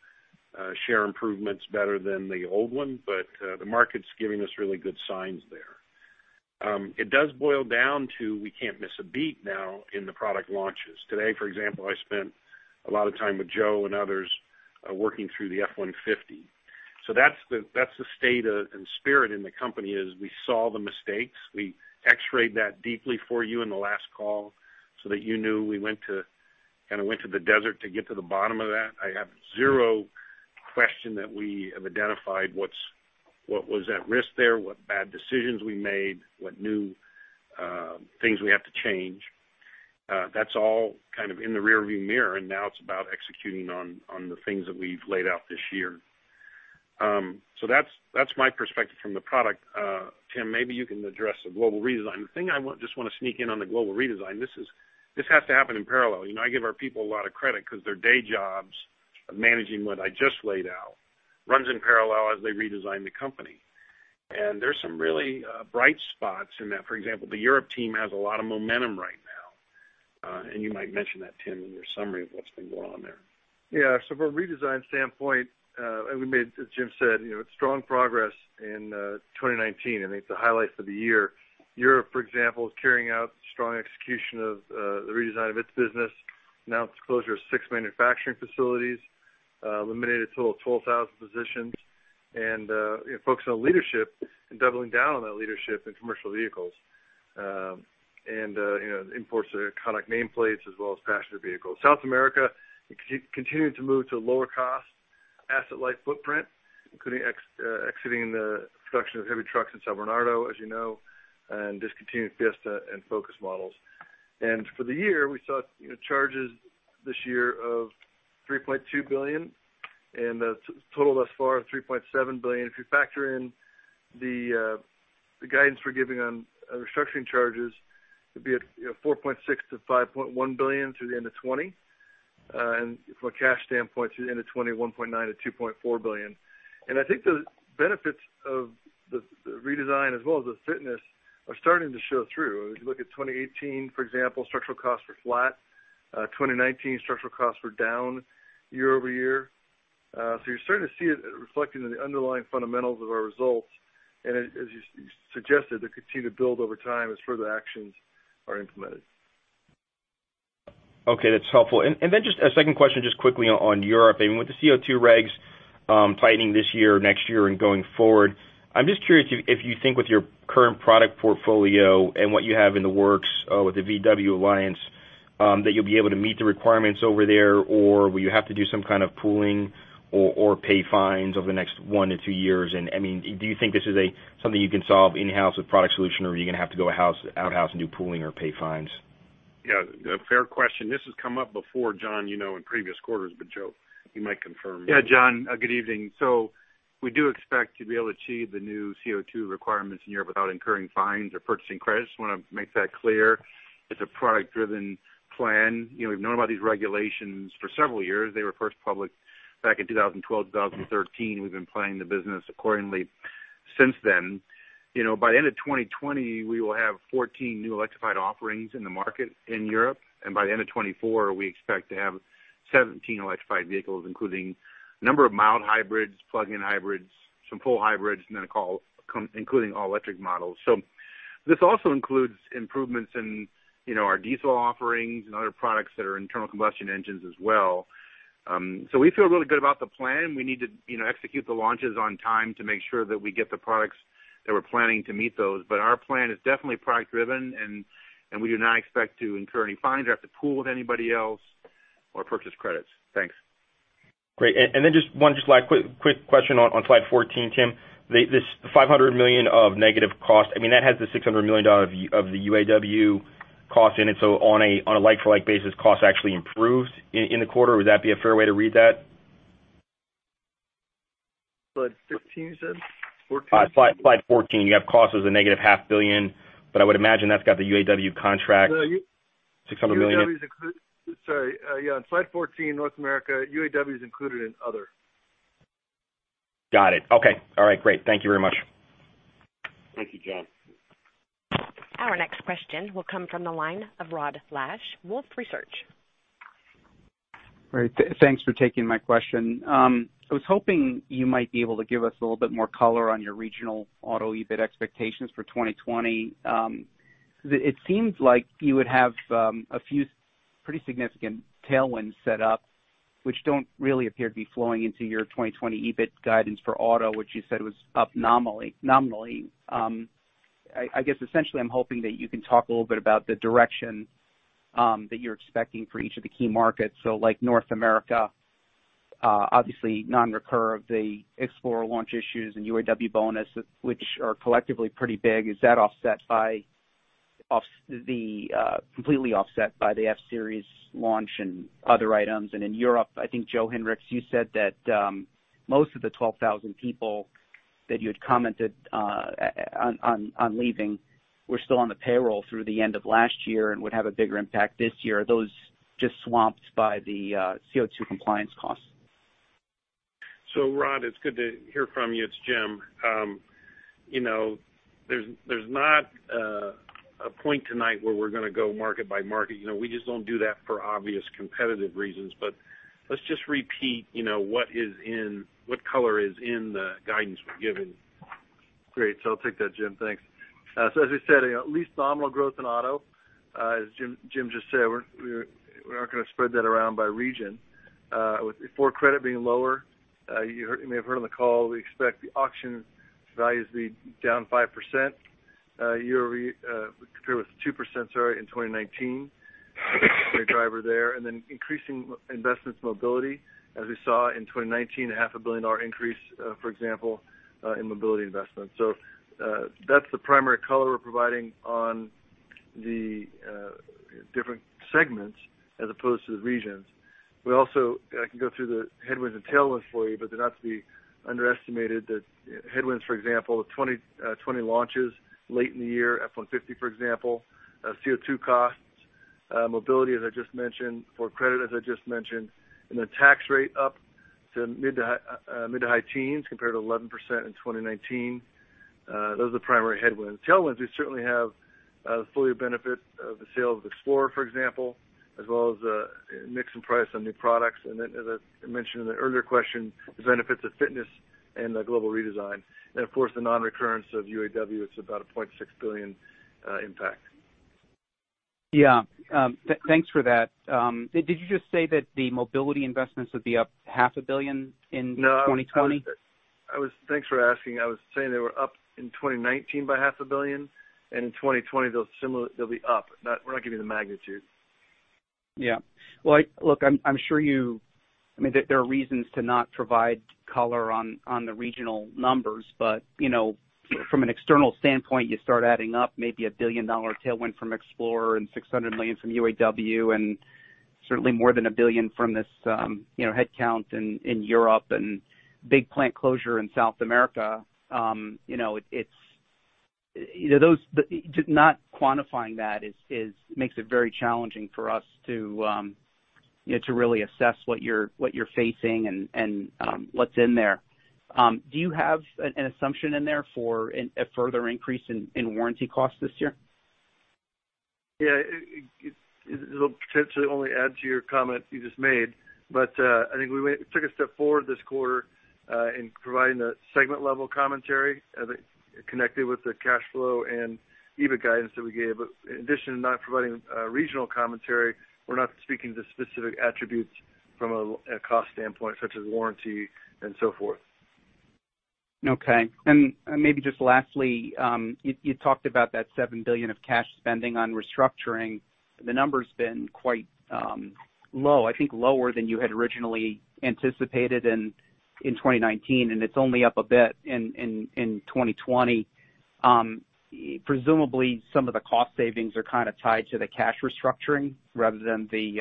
share improvements better than the old one, but the market's giving us really good signs there. It does boil down to we can't miss a beat now in the product launches. Today, for example, I spent a lot of time with Joe and others working through the F-150. That's the state and spirit in the company is we saw the mistakes. We X-rayed that deeply for you in the last call so that you knew we went to the desert to get to the bottom of that. I have zero question that we have identified what was at risk there, what bad decisions we made, what new things we have to change. That's all kind of in the rear-view mirror, and now it's about executing on the things that we've laid out this year. That's my perspective from the product. Tim, maybe you can address the global redesign. The thing I just want to sneak in on the global redesign, this has to happen in parallel. I give our people a lot of credit because their day jobs of managing what I just laid out runs in parallel as they redesign the company. There's some really bright spots in that. For example, the Europe team has a lot of momentum right now. You might mention that, Tim, in your summary of what's been going on there. From a redesign standpoint, we made, as Jim said, strong progress in 2019. The highlights of the year, Europe, for example, is carrying out strong execution of the redesign of its business. Announced the closure of six manufacturing facilities, eliminated a total of 12,000 positions and focusing on leadership and doubling down on that leadership in commercial vehicles. Imports of iconic nameplates as well as passenger vehicles. South America continuing to move to a lower-cost asset-light footprint, including exiting the production of heavy trucks in São Bernardo, as you know, and discontinuing Fiesta and Focus models. For the year, we saw charges this year of $3.2 billion and a total thus far of $3.7 billion. If you factor in the guidance we're giving on restructuring charges, it'd be at $4.6 billion-$5.1 billion through the end of 2020. From a cash standpoint, through the end of 2020, $1.9 billion-$2.4 billion. I think the benefits of the redesign as well as the fitness are starting to show through. If you look at 2018, for example, structural costs were flat. 2019 structural costs were down year-over-year. You're starting to see it reflected in the underlying fundamentals of our results. As you suggested, they could continue to build over time as further actions are implemented. Okay, that's helpful. Then just a second question, just quickly on Europe. With the CO2 regs tightening this year, next year and going forward, I'm just curious if you think with your current product portfolio and what you have in the works with the VW alliance, that you'll be able to meet the requirements over there, or will you have to do some kind of pooling or pay fines over the next one to two years? Do you think this is something you can solve in-house with product solution, or are you going to have to go out-of-house and do pooling or pay fines? Yeah, a fair question. This has come up before, John, in previous quarters, but Joe, you might confirm. Yeah, John, good evening. We do expect to be able to achieve the new CO2 requirements in Europe without incurring fines or purchasing credits. We want to make that clear. It's a product-driven plan. We've known about these regulations for several years. They were first public back in 2012, 2013. We've been planning the business accordingly since then. By the end of 2020, we will have 14 new electrified offerings in the market in Europe. By the end of 2024, we expect to have 17 electrified vehicles, including a number of mild hybrids, plug-in hybrids, some full hybrids, and then including all-electric models. This also includes improvements in our diesel offerings and other products that are internal combustion engines as well. We feel really good about the plan. We need to execute the launches on time to make sure that we get the products that we're planning to meet those. Our plan is definitely product driven, and we do not expect to incur any fines or have to pool with anybody else or purchase credits. Thanks. Great. Then just one last quick question on slide 14, Tim. This $500 million of negative cost, that has the $600 million of the UAW cost in it. On a like-for-like basis, cost actually improved in the quarter. Would that be a fair way to read that? Slide 15, you said? 14? Slide 14. You have cost as a -$500 million, I would imagine that's got the UAW contract $600 million. Sorry. Yeah, on slide 14, North America, UAW is included in other. Got it. Okay. All right, great. Thank you very much. Thank you, John. Our next question will come from the line of Rod Lache, Wolfe Research. Great. Thanks for taking my question. I was hoping you might be able to give us a little bit more color on your regional auto EBIT expectations for 2020. It seems like you would have a few pretty significant tailwinds set up which don't really appear to be flowing into your 2020 EBIT guidance for Auto, which you said was up nominally. I guess essentially, I'm hoping that you can talk a little bit about the direction that you're expecting for each of the key markets. North America, obviously non-recur of the Explorer launch issues and UAW bonus, which are collectively pretty big. Is that completely offset by the F-series launch and other items? In Europe, I think Joe Hinrichs, you said that most of the 12,000 people that you had commented on leaving were still on the payroll through the end of last year and would have a bigger impact this year. Are those just swamped by the CO2 compliance costs? Rod, it's good to hear from you. It's Jim. There's not a point tonight where we're going to go market by market. We just don't do that for obvious competitive reasons. Let's just repeat what color is in the guidance we're giving. Great. I'll take that, Jim. Thanks. As we said, at least nominal growth in Auto. As Jim just said, we're not going to spread that around by region. With Ford Credit being lower, you may have heard on the call, we expect the auction values to be down 5% compared with 2%, sorry, in 2019, the driver there. Increasing investments mobility, as we saw in 2019, a $500 milllion increase, for example, in mobility investments. That's the primary color we're providing on the different segments as opposed to the regions. I can go through the headwinds and tailwinds for you, they're not to be underestimated. The headwinds, for example, 2020 launches late in the year, F-150, for example. CO2 costs. Mobility, as I just mentioned. Ford Credit, as I just mentioned. The tax rate up to mid to high teens compared to 11% in 2019. Those are the primary headwinds. Tailwinds, we certainly have the full year benefit of the sale of Explorer, for example, as well as mix and price on new products. Then, as I mentioned in the earlier question, the benefits of fitness and the global redesign. Of course, the non-recurrence of UAW, it's about a $0.6 billion impact. Yeah. Thanks for that. Did you just say that the mobility investments would be up $500 million in 2020? No, thanks for asking. I was saying they were up in 2019 by $500 million, and in 2020, they'll be up. We're not giving the magnitude. Well, look, I'm sure there are reasons to not provide color on the regional numbers. From an external standpoint, you start adding up maybe a billion-dollar tailwind from Explorer and $600 million from UAW, and certainly more than $1 billion from this headcount in Europe and big plant closure in South America. Not quantifying that makes it very challenging for us to really assess what you're facing and what's in there. Do you have an assumption in there for a further increase in warranty costs this year? Yeah. It'll potentially only add to your comment you just made, but I think we took a step forward this quarter in providing the segment-level commentary connected with the cash flow and EBIT guidance that we gave. In addition to not providing regional commentary, we're not speaking to specific attributes from a cost standpoint, such as warranty and so forth. Okay. Maybe just lastly, you talked about that $7 billion of cash spending on restructuring. The number's been quite low, I think lower than you had originally anticipated in 2019, and it's only up a bit in 2020. Presumably, some of the cost savings are kind of tied to the cash restructuring rather than the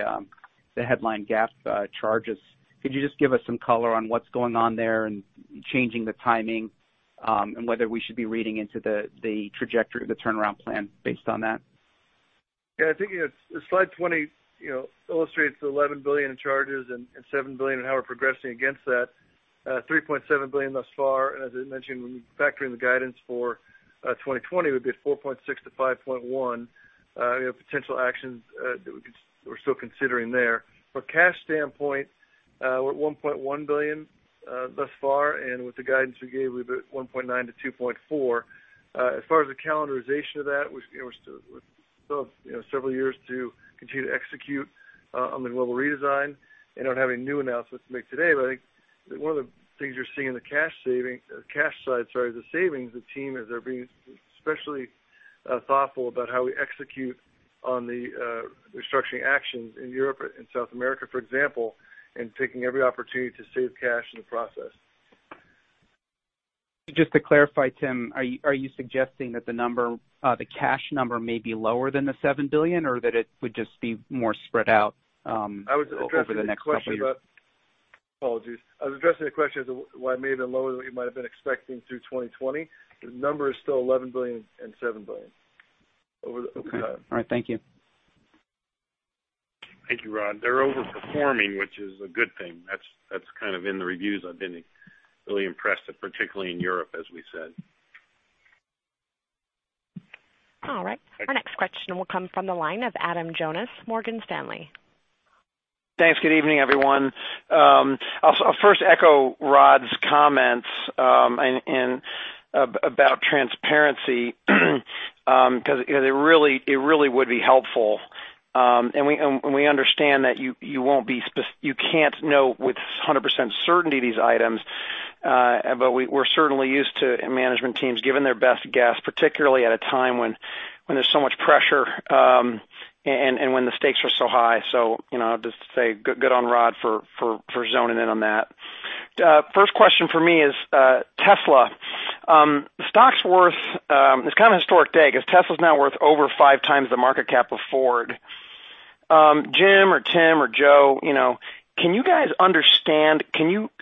headline GAAP charges. Could you just give us some color on what's going on there and changing the timing, and whether we should be reading into the trajectory of the turnaround plan based on that? I think slide 20 illustrates the $11 billion in charges and $7 billion in how we're progressing against that. $3.7 billion thus far, and as I mentioned, when you factor in the guidance for 2020, would be at $4.6 billion-$5.1 billion potential actions that we're still considering there. From a cash standpoint, we're at $1.1 billion thus far, and with the guidance we gave, we'd be at $1.9 billion-$2.4 billion. As far as the calendarization of that, we still have several years to continue to execute on the global redesign and don't have any new announcements to make today. I think one of the things you're seeing in the cash side, the savings, the team is they're being especially thoughtful about how we execute on the restructuring actions in Europe and South America, for example, and taking every opportunity to save cash in the process. Just to clarify, Tim, are you suggesting that the cash number may be lower than the $7 billion, or that it would just be more spread out over the next couple years? Apologies. I was addressing the question as why it may have been lower than what you might have been expecting through 2020. The number is still $11 billion and $7 billion over that. Okay. All right. Thank you. Thank you, Rod. They're overperforming, which is a good thing. That's kind of in the reviews I've been really impressed at, particularly in Europe, as we said. All right. Our next question will come from the line of Adam Jonas, Morgan Stanley. Thanks. Good evening, everyone. I'll first echo Rod's comments about transparency, because it really would be helpful. We understand that you can't know with 100% certainty these items. We're certainly used to management teams giving their best guess, particularly at a time when there's so much pressure, and when the stakes are so high. Just to say good on Rod for zoning in on that. First question for me is Tesla. It's kind of a historic day because Tesla's now worth over 5x the market cap of Ford. Jim or Tim or Joe, can you guys understand,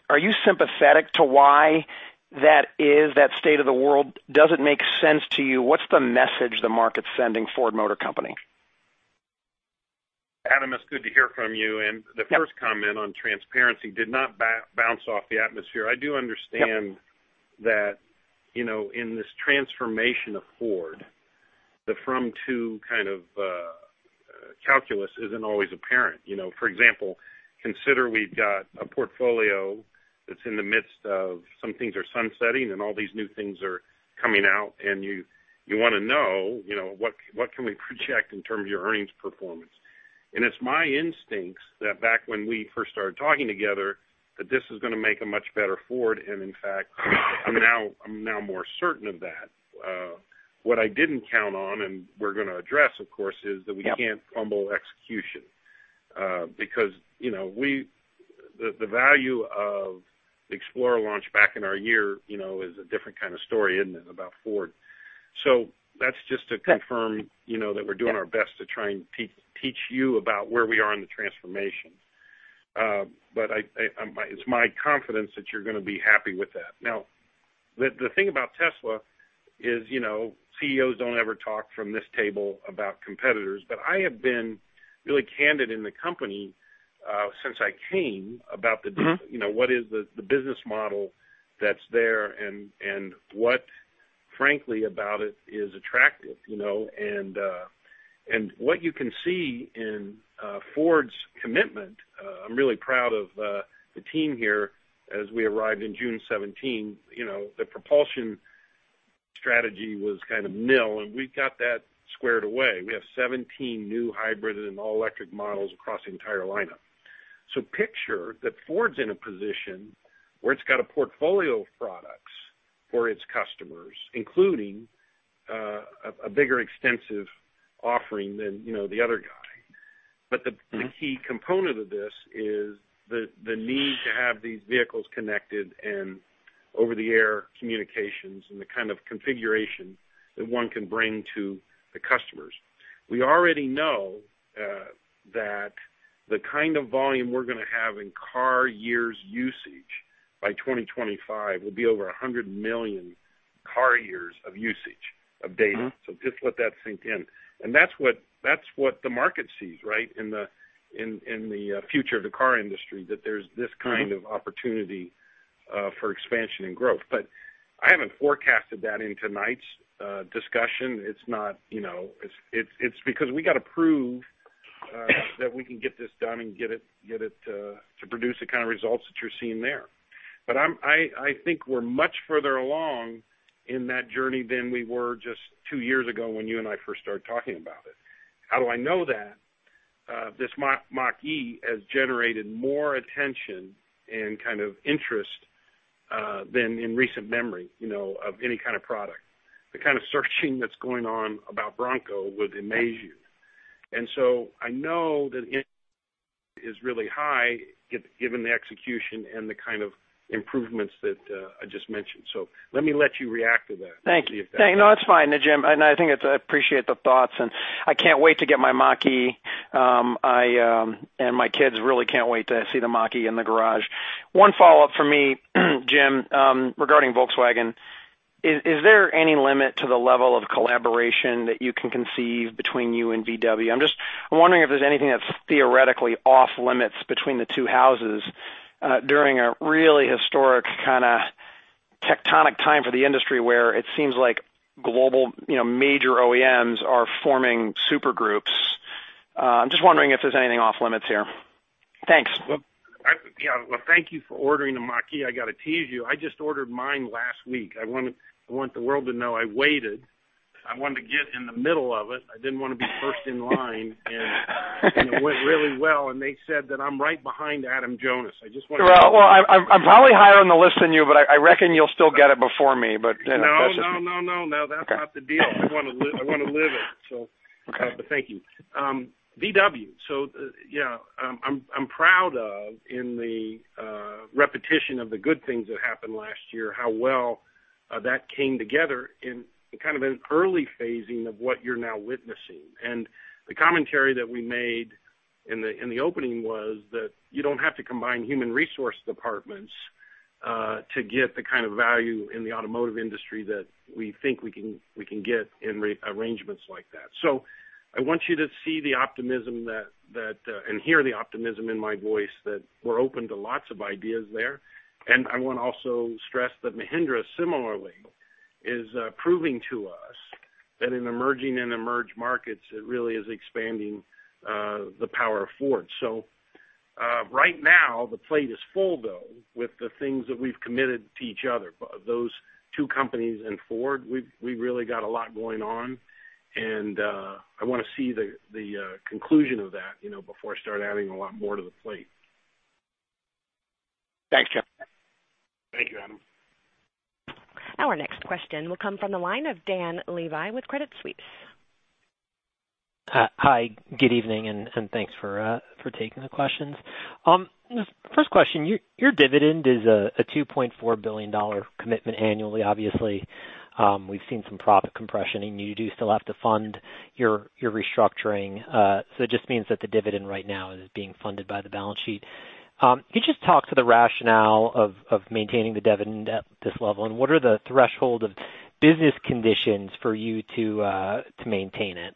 are you sympathetic to why that is, that state of the world? Does it make sense to you? What's the message the market's sending Ford Motor Company? Adam, it's good to hear from you. The first comment on transparency did not bounce off the atmosphere. I do understand that in this transformation of Ford, the from/to kind of calculus isn't always apparent. For example, consider we've got a portfolio that's in the midst of some things are sunsetting, and all these new things are coming out and you want to know, what can we project in terms of your earnings performance? It's my instincts that back when we first started talking together, that this is going to make a much better Ford and, in fact, I'm now more certain of that. What I didn't count on and we're going to address, of course, is that we can't fumble execution. The value of Explorer launch back in our year is a different kind of story, isn't it, about Ford? That's just to confirm that we're doing our best to try and teach you about where we are in the transformation. It's my confidence that you're going to be happy with that. The thing about Tesla is CEOs don't ever talk from this table about competitors. I have been really candid in the company, since I came, about what is the business model that's there and what, frankly, about it is attractive. What you can see in Ford's commitment, I'm really proud of the team here as we arrived in June 2017. The propulsion strategy was kind of nil, and we've got that squared away. We have 17 new hybrid and all-electric models across the entire lineup. Picture that Ford's in a position where it's got a portfolio of products for its customers, including a bigger extensive offering than the other guy. The key component of this is the need to have these vehicles connected and over-the-air communications and the kind of configuration that one can bring to the customers. We already know that the kind of volume we're going to have in car years usage by 2025 will be over 100 million car years of usage of data. Just let that sink in. That's what the market sees, right, in the future of the car industry, that there's this kind of opportunity for expansion and growth. I haven't forecasted that in tonight's discussion. It's because we got to prove that we can get this done and get it to produce the kind of results that you're seeing there. I think we're much further along in that journey than we were just two years ago when you and I first started talking about it. How do I know that? This Mach-E has generated more attention and kind of interest than in recent memory of any kind of product. The kind of searching that's going on about Bronco would amaze you. I know that it is really high given the execution and the kind of improvements that I just mentioned. Let me let you react to that. Thank you. No, it's fine, Jim. I appreciate the thoughts and I can't wait to get my Mach-E. My kids really can't wait to see the Mach-E in the garage. One follow-up from me, Jim, regarding Volkswagen. Is there any limit to the level of collaboration that you can conceive between you and VW? I'm wondering if there's anything that's theoretically off-limits between the two houses during a really historic kind of tectonic time for the industry where it seems like global major OEMs are forming super groups. I'm just wondering if there's anything off-limits here. Thanks. Yeah. Well, thank you for ordering the Mach-E. I got to tease you. I just ordered mine last week. I want the world to know I waited. I wanted to get in the middle of it. I didn't want to be first in line. It went really well. They said that I'm right behind Adam Jonas. Well, I'm probably higher on the list than you, but I reckon you'll still get it before me. That's just me. No, that's not the deal. I want to live it. Okay. Thank you. VW. Yeah, I'm proud of, in the repetition of the good things that happened last year, how well that came together in kind of an early phasing of what you're now witnessing. The commentary that we made in the opening was that you don't have to combine human resource departments to get the kind of value in the automotive industry that we think we can get in arrangements like that. I want you to see the optimism and hear the optimism in my voice that we're open to lots of ideas there. I want to also stress that Mahindra similarly is proving to us that in emerging and emerged markets, it really is expanding the power of Ford. Right now, the plate is full though, with the things that we've committed to each other. Those two companies and Ford, we really got a lot going on, and I want to see the conclusion of that before I start adding a lot more to the plate. Thanks, Jim. Thank you, Adam. Our next question will come from the line of Dan Levy with Credit Suisse. Hi, good evening. Thanks for taking the questions. First question. Your dividend is a $2.4 billion commitment annually. Obviously, we've seen some profit compression, and you do still have to fund your restructuring. It just means that the dividend right now is being funded by the balance sheet. Can you just talk to the rationale of maintaining the dividend at this level, and what are the threshold of business conditions for you to maintain it?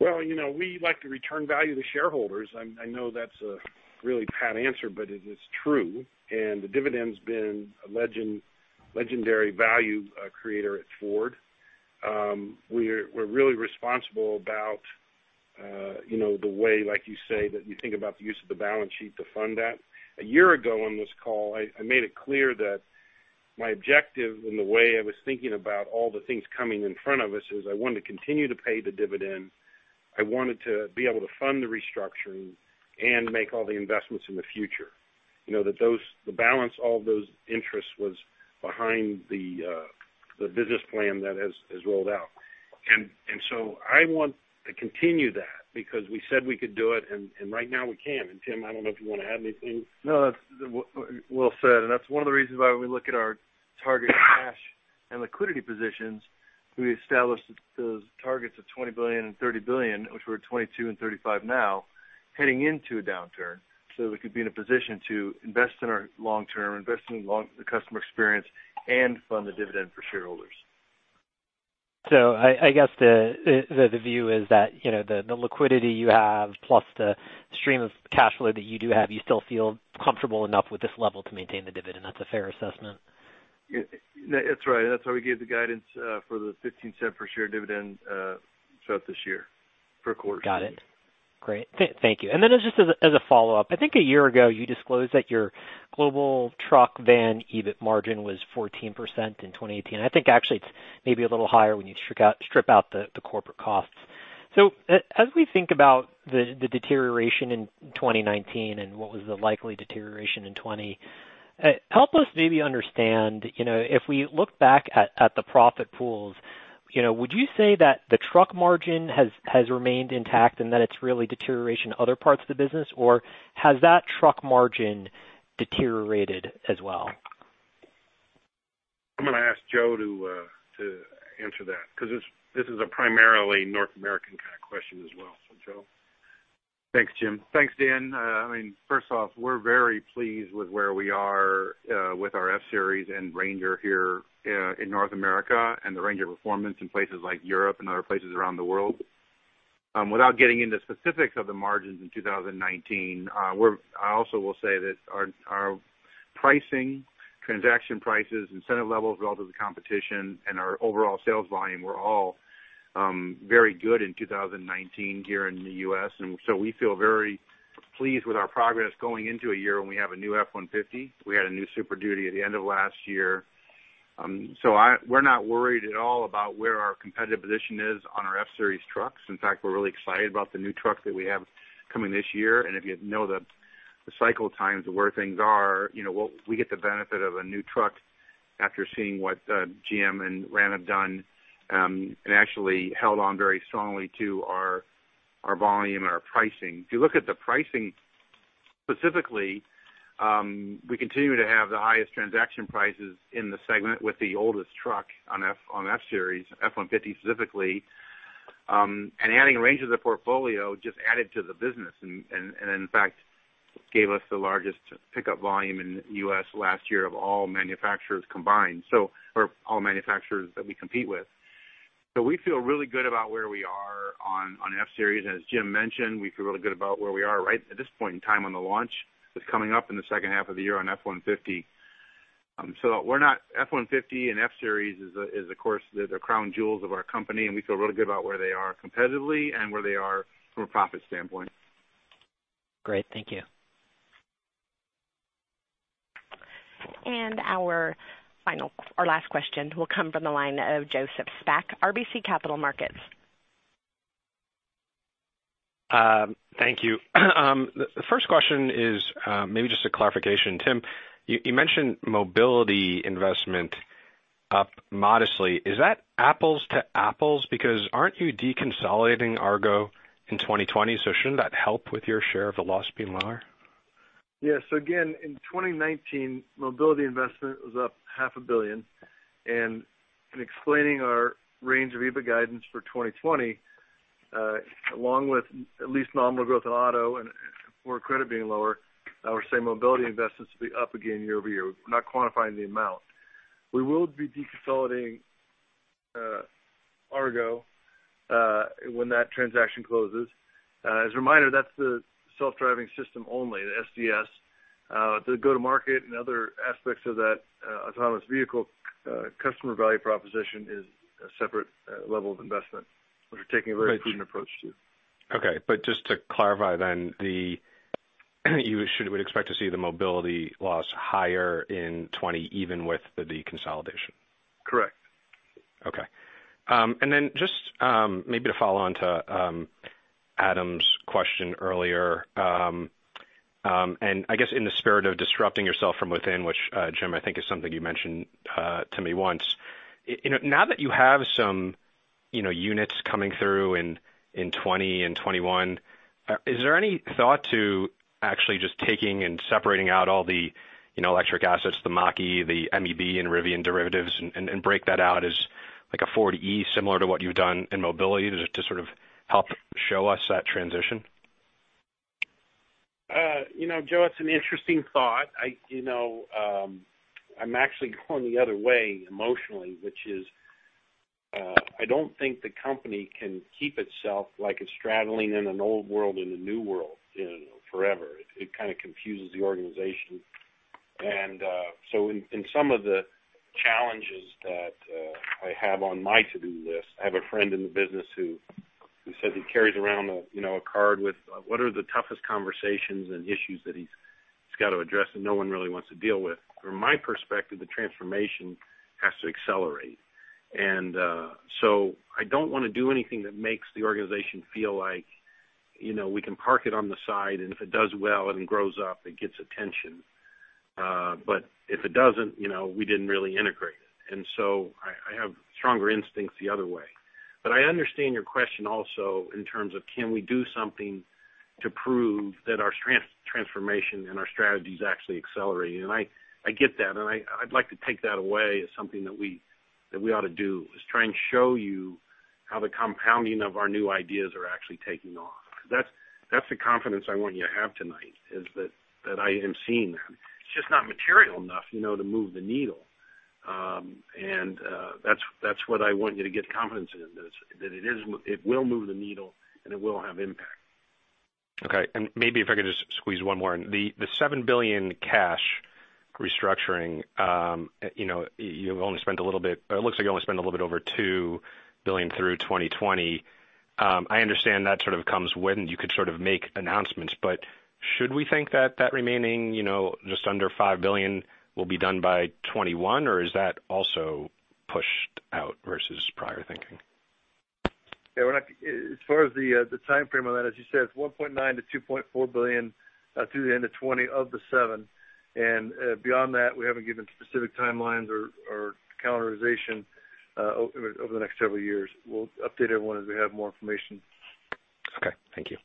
Well, we like to return value to shareholders. I know that's a really pat answer, but it is true. The dividend's been a legendary value creator at Ford. We're really responsible about the way, like you say, that you think about the use of the balance sheet to fund that. A year ago on this call, I made it clear that my objective and the way I was thinking about all the things coming in front of us is I wanted to continue to pay the dividend. I wanted to be able to fund the restructuring and make all the investments in the future. To balance all of those interests was behind the business plan that has rolled out. I want to continue that because we said we could do it and right now we can. Tim, I don't know if you want to add anything. No. Well said. That's one of the reasons why when we look at our target cash and liquidity positions, we established those targets of $20 billion and $30 billion, which we're at $22 billion and $35 billion now, heading into a downturn, so that we could be in a position to invest in our long-term, invest in the customer experience and fund the dividend for shareholders. I guess the view is that, the liquidity you have, plus the stream of cash flow that you do have, you still feel comfortable enough with this level to maintain the dividend. That's a fair assessment? That's right. That's why we gave the guidance for the $0.15 per share dividend throughout this year for a quarter. Got it. Great. Thank you. Just as a follow-up, I think a year ago, you disclosed that your global truck, van EBIT margin was 14% in 2018. I think actually it's maybe a little higher when you strip out the corporate costs. As we think about the deterioration in 2019 and what was the likely deterioration in 2020, help us maybe understand, if we look back at the profit pools, would you say that the truck margin has remained intact and that it's really deterioration other parts of the business, or has that truck margin deteriorated as well? I'm going to ask Joe to answer that because this is a primarily North American kind of question as well. Joe? Thanks, Jim. Thanks, Dan. First off, we're very pleased with where we are with our F-Series and Ranger here in North America and the range of performance in places like Europe and other places around the world. Without getting into specifics of the margins in 2019, I also will say that our pricing, transaction prices, incentive levels relative to competition and our overall sales volume were all very good in 2019 here in the U.S. We feel very pleased with our progress going into a year when we have a new F-150. We had a new Super Duty at the end of last year. We're not worried at all about where our competitive position is on our F-Series trucks. In fact, we're really excited about the new truck that we have coming this year. If you know the cycle times of where things are, we get the benefit of a new truck after seeing what GM and Ram have done and actually held on very strongly to our volume and our pricing. If you look at the pricing specifically, we continue to have the highest transaction prices in the segment with the oldest truck on F-Series, F-150 specifically. Adding range to the portfolio just added to the business and in fact gave us the largest pickup volume in the U.S. last year of all manufacturers combined. For all manufacturers that we compete with. We feel really good about where we are on F-Series. As Jim mentioned, we feel really good about where we are right at this point in time on the launch that's coming up in the second half of the year on F-150. F-150 and F-Series is, of course, the crown jewels of our company, and we feel really good about where they are competitively and where they are from a profit standpoint. Great. Thank you. Our last question will come from the line of Joseph Spak, RBC Capital Markets. Thank you. The first question is maybe just a clarification. Tim, you mentioned mobility investment up modestly. Is that apples to apples because aren't you deconsolidating Argo in 2020? Shouldn't that help with your share of the loss being lower? Yes. Again, in 2019, mobility investment was up $500 million. In explaining our range of EBIT guidance for 2020, along with at least nominal growth in Auto and Ford Credit being lower, I would say mobility investments will be up again year-over-year. We're not quantifying the amount. We will be deconsolidating Argo, when that transaction closes. As a reminder, that's the self-driving system only, the SDS. The go-to-market and other aspects of that autonomous vehicle customer value proposition is a separate level of investment that we're taking a very prudent approach to. Okay. Just to clarify then, you would expect to see the mobility loss higher in 2020, even with the deconsolidation? Correct. Okay. Then just maybe to follow on to Adam's question earlier. I guess in the spirit of disrupting yourself from within, which, Jim, I think is something you mentioned to me once. Now that you have some units coming through in 2020 and 2021, is there any thought to actually just taking and separating out all the electric assets, the Mach-E, the MEB and Rivian derivatives, and break that out as like a Ford E similar to what you've done in mobility to sort of help show us that transition? Joe, that's an interesting thought. I'm actually going the other way emotionally, which is, I don't think the company can keep itself like it's straddling in an old world and a new world forever. It kind of confuses the organization. In some of the challenges that I have on my to-do list, I have a friend in the business who says he carries around a card with what are the toughest conversations and issues that he's got to address and no one really wants to deal with. From my perspective, the transformation has to accelerate. I don't want to do anything that makes the organization feel like we can park it on the side, and if it does well and grows up, it gets attention. If it doesn't, we didn't really integrate it. I have stronger instincts the other way. I understand your question also in terms of can we do something to prove that our transformation and our strategy is actually accelerating. I get that, and I'd like to take that away as something that we ought to do, is try and show you how the compounding of our new ideas are actually taking off. That's the confidence I want you to have tonight, is that I am seeing that. It's just not material enough to move the needle. That's what I want you to get confidence in, that it will move the needle, and it will have impact. Okay. Maybe if I could just squeeze one more in. The $7 billion cash restructuring. It looks like you only spent a little bit over $2 billion through 2020. I understand that sort of comes when you could sort of make announcements. Should we think that that remaining just under $5 billion will be done by 2021? Is that also pushed out versus prior thinking? As far as the timeframe on that, as you said, it's $1.9 billion-$2.4 billion through the end of 2020 of the $7 billion. Beyond that, we haven't given specific timelines or calendarization over the next several years. We'll update everyone as we have more information. Okay. Thank you.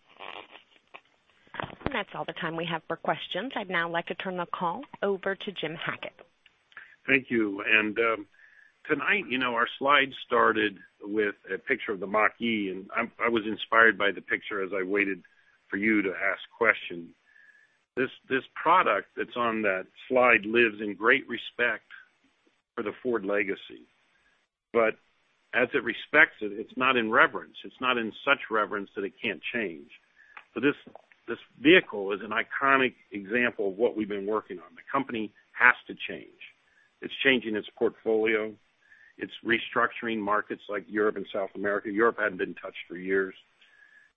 That's all the time we have for questions. I'd now like to turn the call over to Jim Hackett. ThanUnclear as to why it's been flagged when tagging is already correct. you. Tonight, our slides started with a picture of the Mach-E, and I was inspired by the picture as I waited for you to ask questions. This product that's on that slide lives in great respect for the Ford legacy. As it respects it's not in reverence. It's not in such reverence that it can't change. This vehicle is an iconic example of what we've been working on. The company has to change. It's changing its portfolio. It's restructuring markets like Europe and South America. Europe hadn't been touched for years.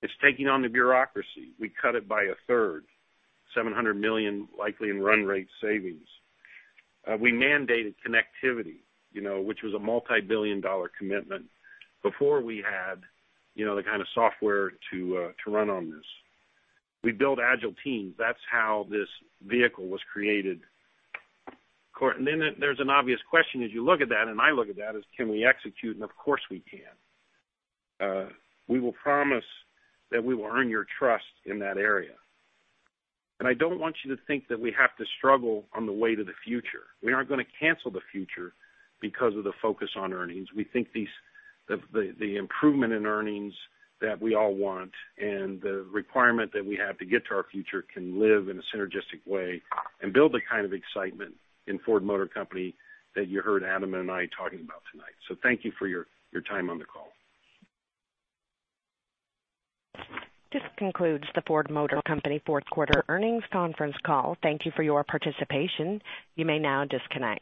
It's taking on the bureaucracy. We cut it by a third, $700 million likely in run rate savings. We mandated connectivity, which was a multibillion-dollar commitment before we had the kind of software to run on this. We build agile teams. That's how this vehicle was created. Then there's an obvious question as you look at that and I look at that is, can we execute? Of course we can. We will promise that we will earn your trust in that area. I don't want you to think that we have to struggle on the way to the future. We aren't going to cancel the future because of the focus on earnings. We think the improvement in earnings that we all want and the requirement that we have to get to our future can live in a synergistic way and build the kind of excitement in Ford Motor Company that you heard Adam and I talking about tonight. Thank you for your time on the call. This concludes the Ford Motor Company fourth quarter earnings conference call. Thank you for your participation. You may now disconnect.